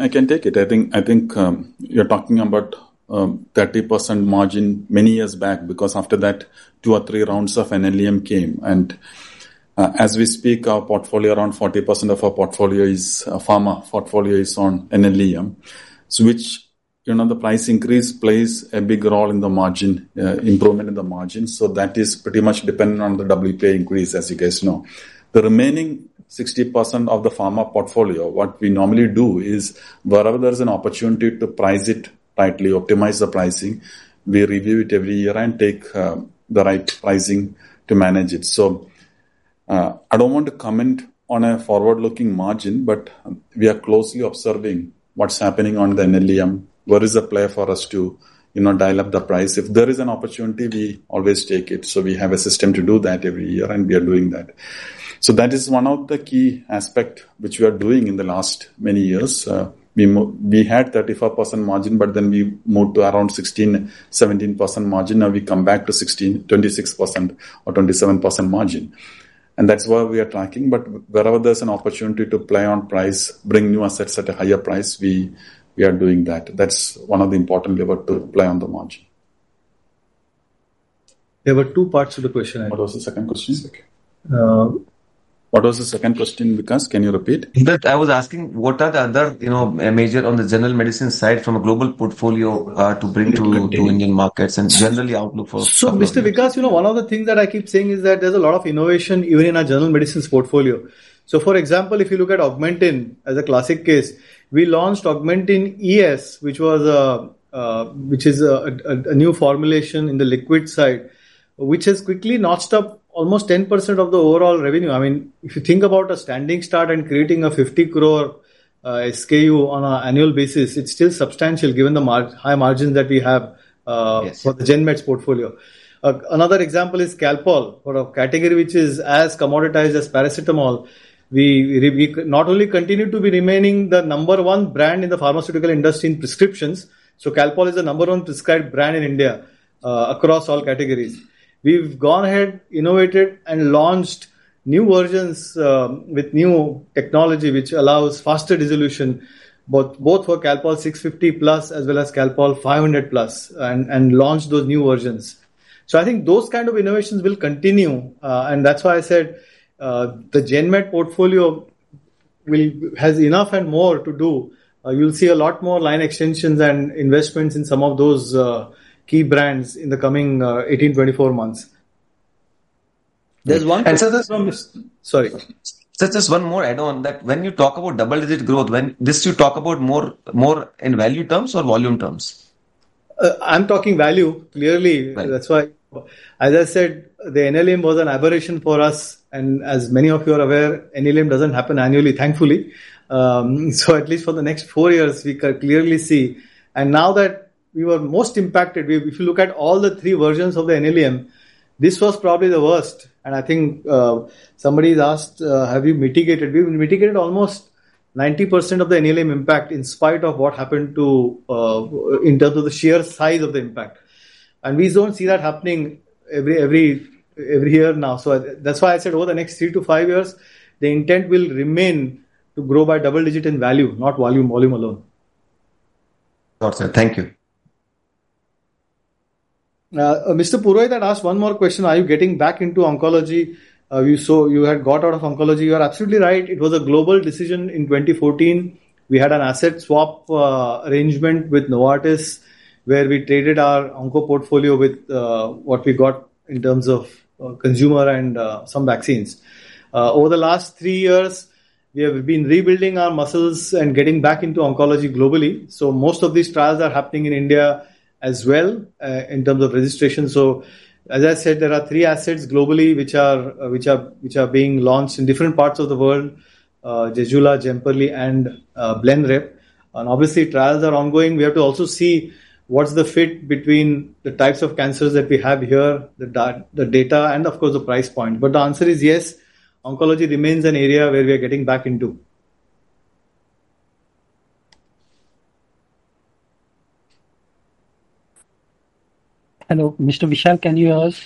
I can take it. I think you're talking about 30% margin many years back, because after that, two or three rounds of NLEM came, and as we speak, our portfolio, around 40% of our portfolio is, pharma portfolio is on NLEM. So which, you know, the price increase plays a big role in the margin, improvement in the margin, so that is pretty much dependent on the WPI increase, as you guys know. The remaining 60% of the pharma portfolio, what we normally do is wherever there's an opportunity to price it rightly, optimize the pricing, we review it every year and take the right pricing to manage it. So, I don't want to comment on a forward-looking margin, but we are closely observing what's happening on the NLEM. What is the play for us to, you know, dial up the price? If there is an opportunity, we always take it. So we have a system to do that every year, and we are doing that. So that is one of the key aspect which we are doing in the last many years. We had 35% margin, but then we moved to around 16%-17% margin. Now we come back to 16%-26% or 27% margin. And that's where we are tracking, but wherever there's an opportunity to play on price, bring new assets at a higher price, we, we are doing that. That's one of the important lever to play on the margin. There were two parts to the question. What was the second question? Okay, uh- What was the second question, Vikas? Can you repeat? That I was asking, what are the other, you know, major on the general medicine side from a global portfolio, to bring to Indian markets and generally outlook for- So, Mr. Vikas, you know, one of the things that I keep saying is that there's a lot of innovation even in our general medicines portfolio. So, for example, if you look at Augmentin as a classic case, we launched Augmentin ES, which is a new formulation in the liquid side, which has quickly notched up almost 10% of the overall revenue. I mean, if you think about a standing start and creating a 50 crore SKU on an annual basis, it's still substantial, given the high margins that we have. Yes. For the GenMeds portfolio. Another example is Calpol, for a category which is as commoditized as paracetamol. We not only continue to be remaining the number one brand in the pharmaceutical industry in prescriptions, so Calpol is the number one prescribed brand in India, across all categories. We've gone ahead, innovated, and launched new versions, with new technology, which allows faster dissolution, both for Calpol 650+ as well as Calpol 500+, and launched those new versions. So I think those kind of innovations will continue, and that's why I said, the GenMed portfolio will has enough and more to do. You'll see a lot more line extensions and investments in some of those, key brands in the coming, 18-24 months. There's one And so there's one... Sorry. Just one more add-on, that when you talk about double-digit growth, when this you talk about more in value terms or volume terms? I'm talking value, clearly. Right. That's why, as I said, the NLEM was an aberration for us, and as many of you are aware, NLEM doesn't happen annually, thankfully. So at least for the next four years, we can clearly see. And now that we were most impacted, we, if you look at all the three versions of the NLEM, this was probably the worst. And I think, somebody's asked, "Have you mitigated?" We've mitigated almost 90% of the NLEM impact, in spite of what happened to, in terms of the sheer size of the impact. And we don't see that happening every year now. So that's why I said over the next three to five years, the intent will remain to grow by double digit in value, not volume, volume alone. Got it. Thank you. Mr. Purohit had asked one more question: "Are you getting back into oncology? You had got out of oncology." You are absolutely right. It was a global decision in 2014. We had an asset swap arrangement with Novartis, where we traded our onco portfolio with what we got in terms of consumer and some vaccines. Over the last three years, we have been rebuilding our muscles and getting back into oncology globally. So most of these trials are happening in India as well in terms of registration. So, as I said, there are three assets globally, which are being launched in different parts of the world, Zejula, Jemperli, and Blenrep. And obviously, trials are ongoing. We have to also see what's the fit between the types of cancers that we have here, the data, and of course, the price point. But the answer is yes, oncology remains an area where we are getting back into. Hello, Mr. Vishal, can you hear us?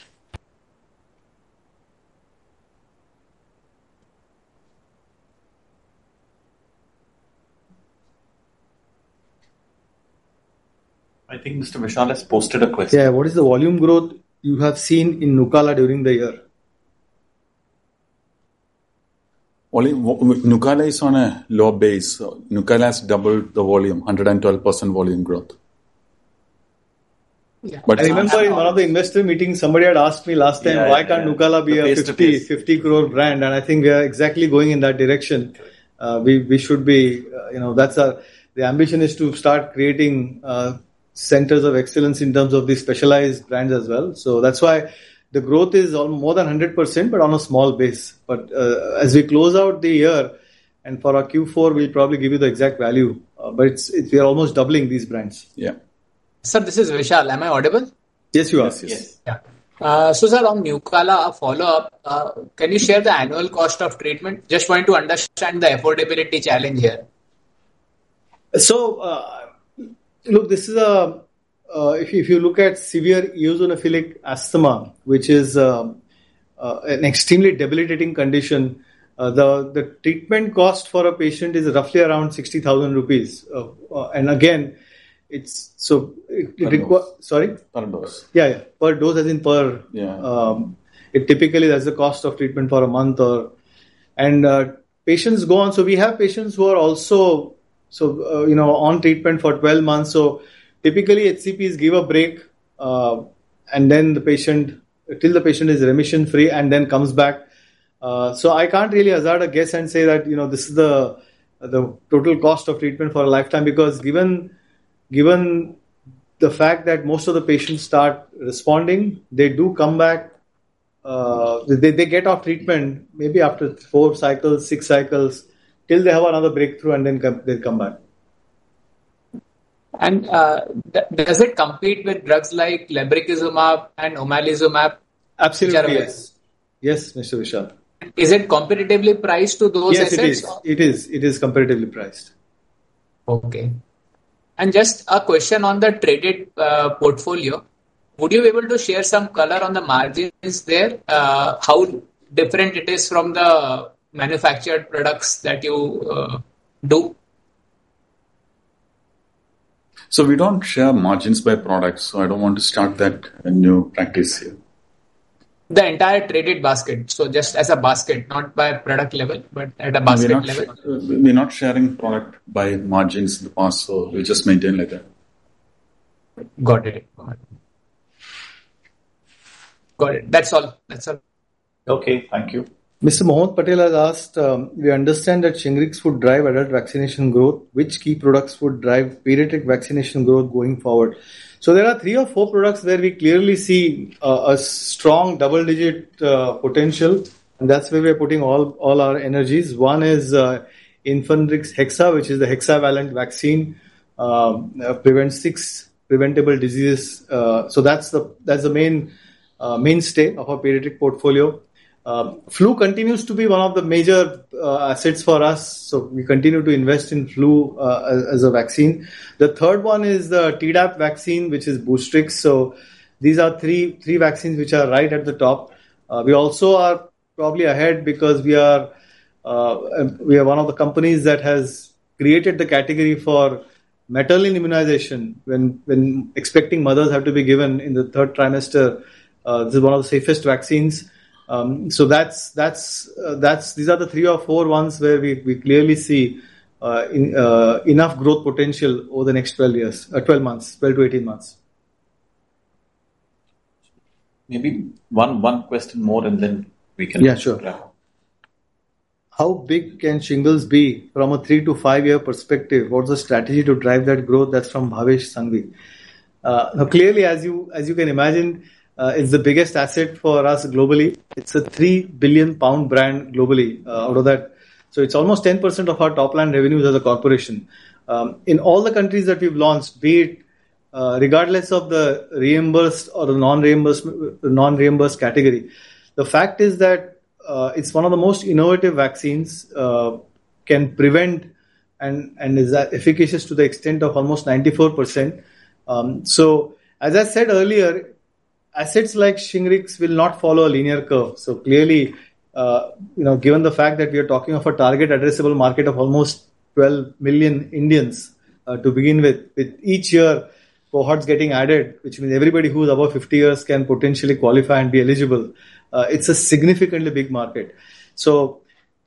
I think Mr. Vishal has posted a question. Yeah. What is the volume growth you have seen in Nucala during the year? Only Nucala is on a low base. Nucala has doubled the volume, 112% volume growth. Yeah. But- I remember in one of the investor meetings, somebody had asked me last time- Yeah, yeah Why can't Nucala be a 50 crore brand?" And I think we are exactly going in that direction. We, we should be, you know, that's our... The ambition is to start creating centers of excellence in terms of these specialized brands as well. So that's why the growth is on more than 100%, but on a small base. But, as we close out the year, and for our Q4, we'll probably give you the exact value, but it's, it-- we are almost doubling these brands. Yeah. Sir, this is Vishal. Am I audible? Yes, you are. Yes. Yes. Yeah. So sir, on Nucala, a follow-up, can you share the annual cost of treatment? Just want to understand the affordability challenge here. So, look, this is, if you look at severe eosinophilic asthma, which is an extremely debilitating condition, the treatment cost for a patient is roughly around 60,000 rupees. And again, it's so- Per dose. Sorry? Per dose. Yeah, yeah. Per dose, as in per- Yeah. It typically has the cost of treatment for a month or patients go on. So we have patients on treatment for 12 months. So typically, HCPs give a break, and then the patient till the patient is remission-free and then comes back. So I can't really hazard a guess and say that, you know, this is the, the total cost of treatment for a lifetime, because given, given the fact that most of the patients start responding, they do come back, they, they get off treatment maybe after 4 cycles, 6 cycles, till they have another breakthrough and then come, they come back. Does it compete with drugs like mepolizumab and omalizumab? Absolutely. Yes, Mr. Vishal. Is it competitively priced to those assets? Yes, it is. It is, it is competitively priced. Okay. And just a question on the traded portfolio. Would you be able to share some color on the margins there? How different it is from the manufactured products that you do? We don't share margins by products, so I don't want to start that as a new practice here. The entire traded basket. So just as a basket, not by product level, but at a basket level. We're not sharing product by margins in the past, so we'll just maintain like that. Got it. Got it. That's all. That's all. Okay, thank you. Mr. Mohammed Patel has asked: "We understand that Shingrix would drive adult vaccination growth. Which key products would drive pediatric vaccination growth going forward?" So there are three or four products where we clearly see a strong double-digit potential, and that's where we are putting all our energies. One is Infanrix Hexa, which is the hexavalent vaccine, prevents six preventable diseases. So that's the main mainstay of our pediatric portfolio. Flu continues to be one of the major assets for us, so we continue to invest in flu as a vaccine. The third one is the Tdap vaccine, which is Boostrix. So these are three vaccines which are right at the top. We also are probably ahead because we are one of the companies that has created the category for maternal immunization. When expecting mothers have to be given in the third trimester, this is one of the safest vaccines. So that's, these are the three or four ones where we clearly see enough growth potential over the next 12 years, 12 months, 12-18 months. Maybe one more question, and then we can- Yeah, sure. Wrap up. How big can shingles be from a 3- to 5-year perspective? What is the strategy to drive that growth?" That's from Bhavesh Sanghvi. Now, clearly, as you, as you can imagine, it's the biggest asset for us globally. It's a 3 billion pound brand globally, out of that. So it's almost 10% of our top line revenues as a corporation. In all the countries that we've launched, be it, regardless of the reimbursed or the non-reimbursed, non-reimbursed category, the fact is that, it's one of the most innovative vaccines, can prevent and, and is efficacious to the extent of almost 94%. So as I said earlier, assets like Shingrix will not follow a linear curve. So clearly, you know, given the fact that we are talking of a target addressable market of almost 12 million Indians, to begin with, with each year cohorts getting added, which means everybody who is above 50 years can potentially qualify and be eligible, it's a significantly big market. So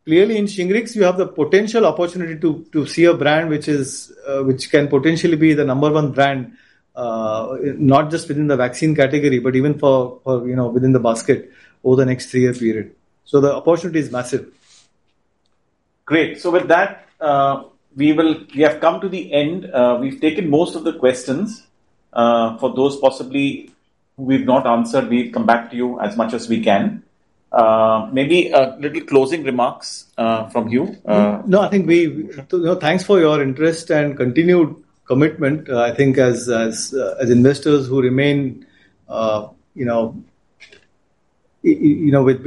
clearly, in Shingrix, you have the potential opportunity to, to see a brand which is, which can potentially be the number one brand, not just within the vaccine category, but even for, for, you know, within the basket over the next 3-year period. So the opportunity is massive. Great. So with that, we have come to the end. We've taken most of the questions. For those possibly who we've not answered, we'll come back to you as much as we can. Maybe a little closing remarks, from you. No, I think we... Thanks for your interest and continued commitment. I think as investors who remain, you know, you know with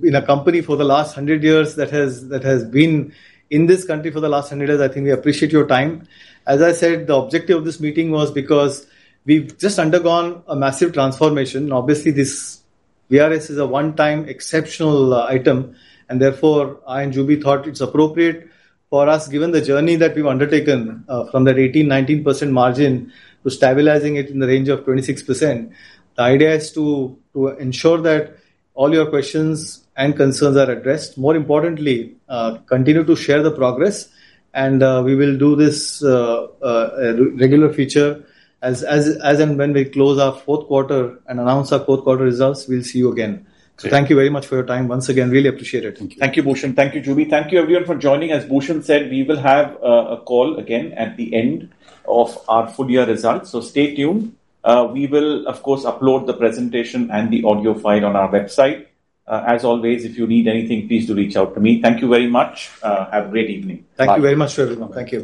being a company for the last 100 years, that has been in this country for the last 100 years, I think we appreciate your time. As I said, the objective of this meeting was because we've just undergone a massive transformation. Obviously, this VRS is a one-time exceptional item, and therefore, I and Jubi thought it's appropriate for us, given the journey that we've undertaken, from that 18-19% margin to stabilizing it in the range of 26%. The idea is to ensure that all your questions and concerns are addressed. More importantly, continue to share the progress, and we will do this a regular feature as in when we close our fourth quarter and announce our fourth quarter results. We'll see you again. Great. Thank you very much for your time. Once again, really appreciate it. Thank you, Bhushan. Thank you, Juby. Thank you, everyone, for joining. As Bhushan said, we will have a call again at the end of our full year results, so stay tuned. We will, of course, upload the presentation and the audio file on our website. As always, if you need anything, please do reach out to me. Thank you very much. Have a great evening. Bye. Thank you very much, everyone. Thank you.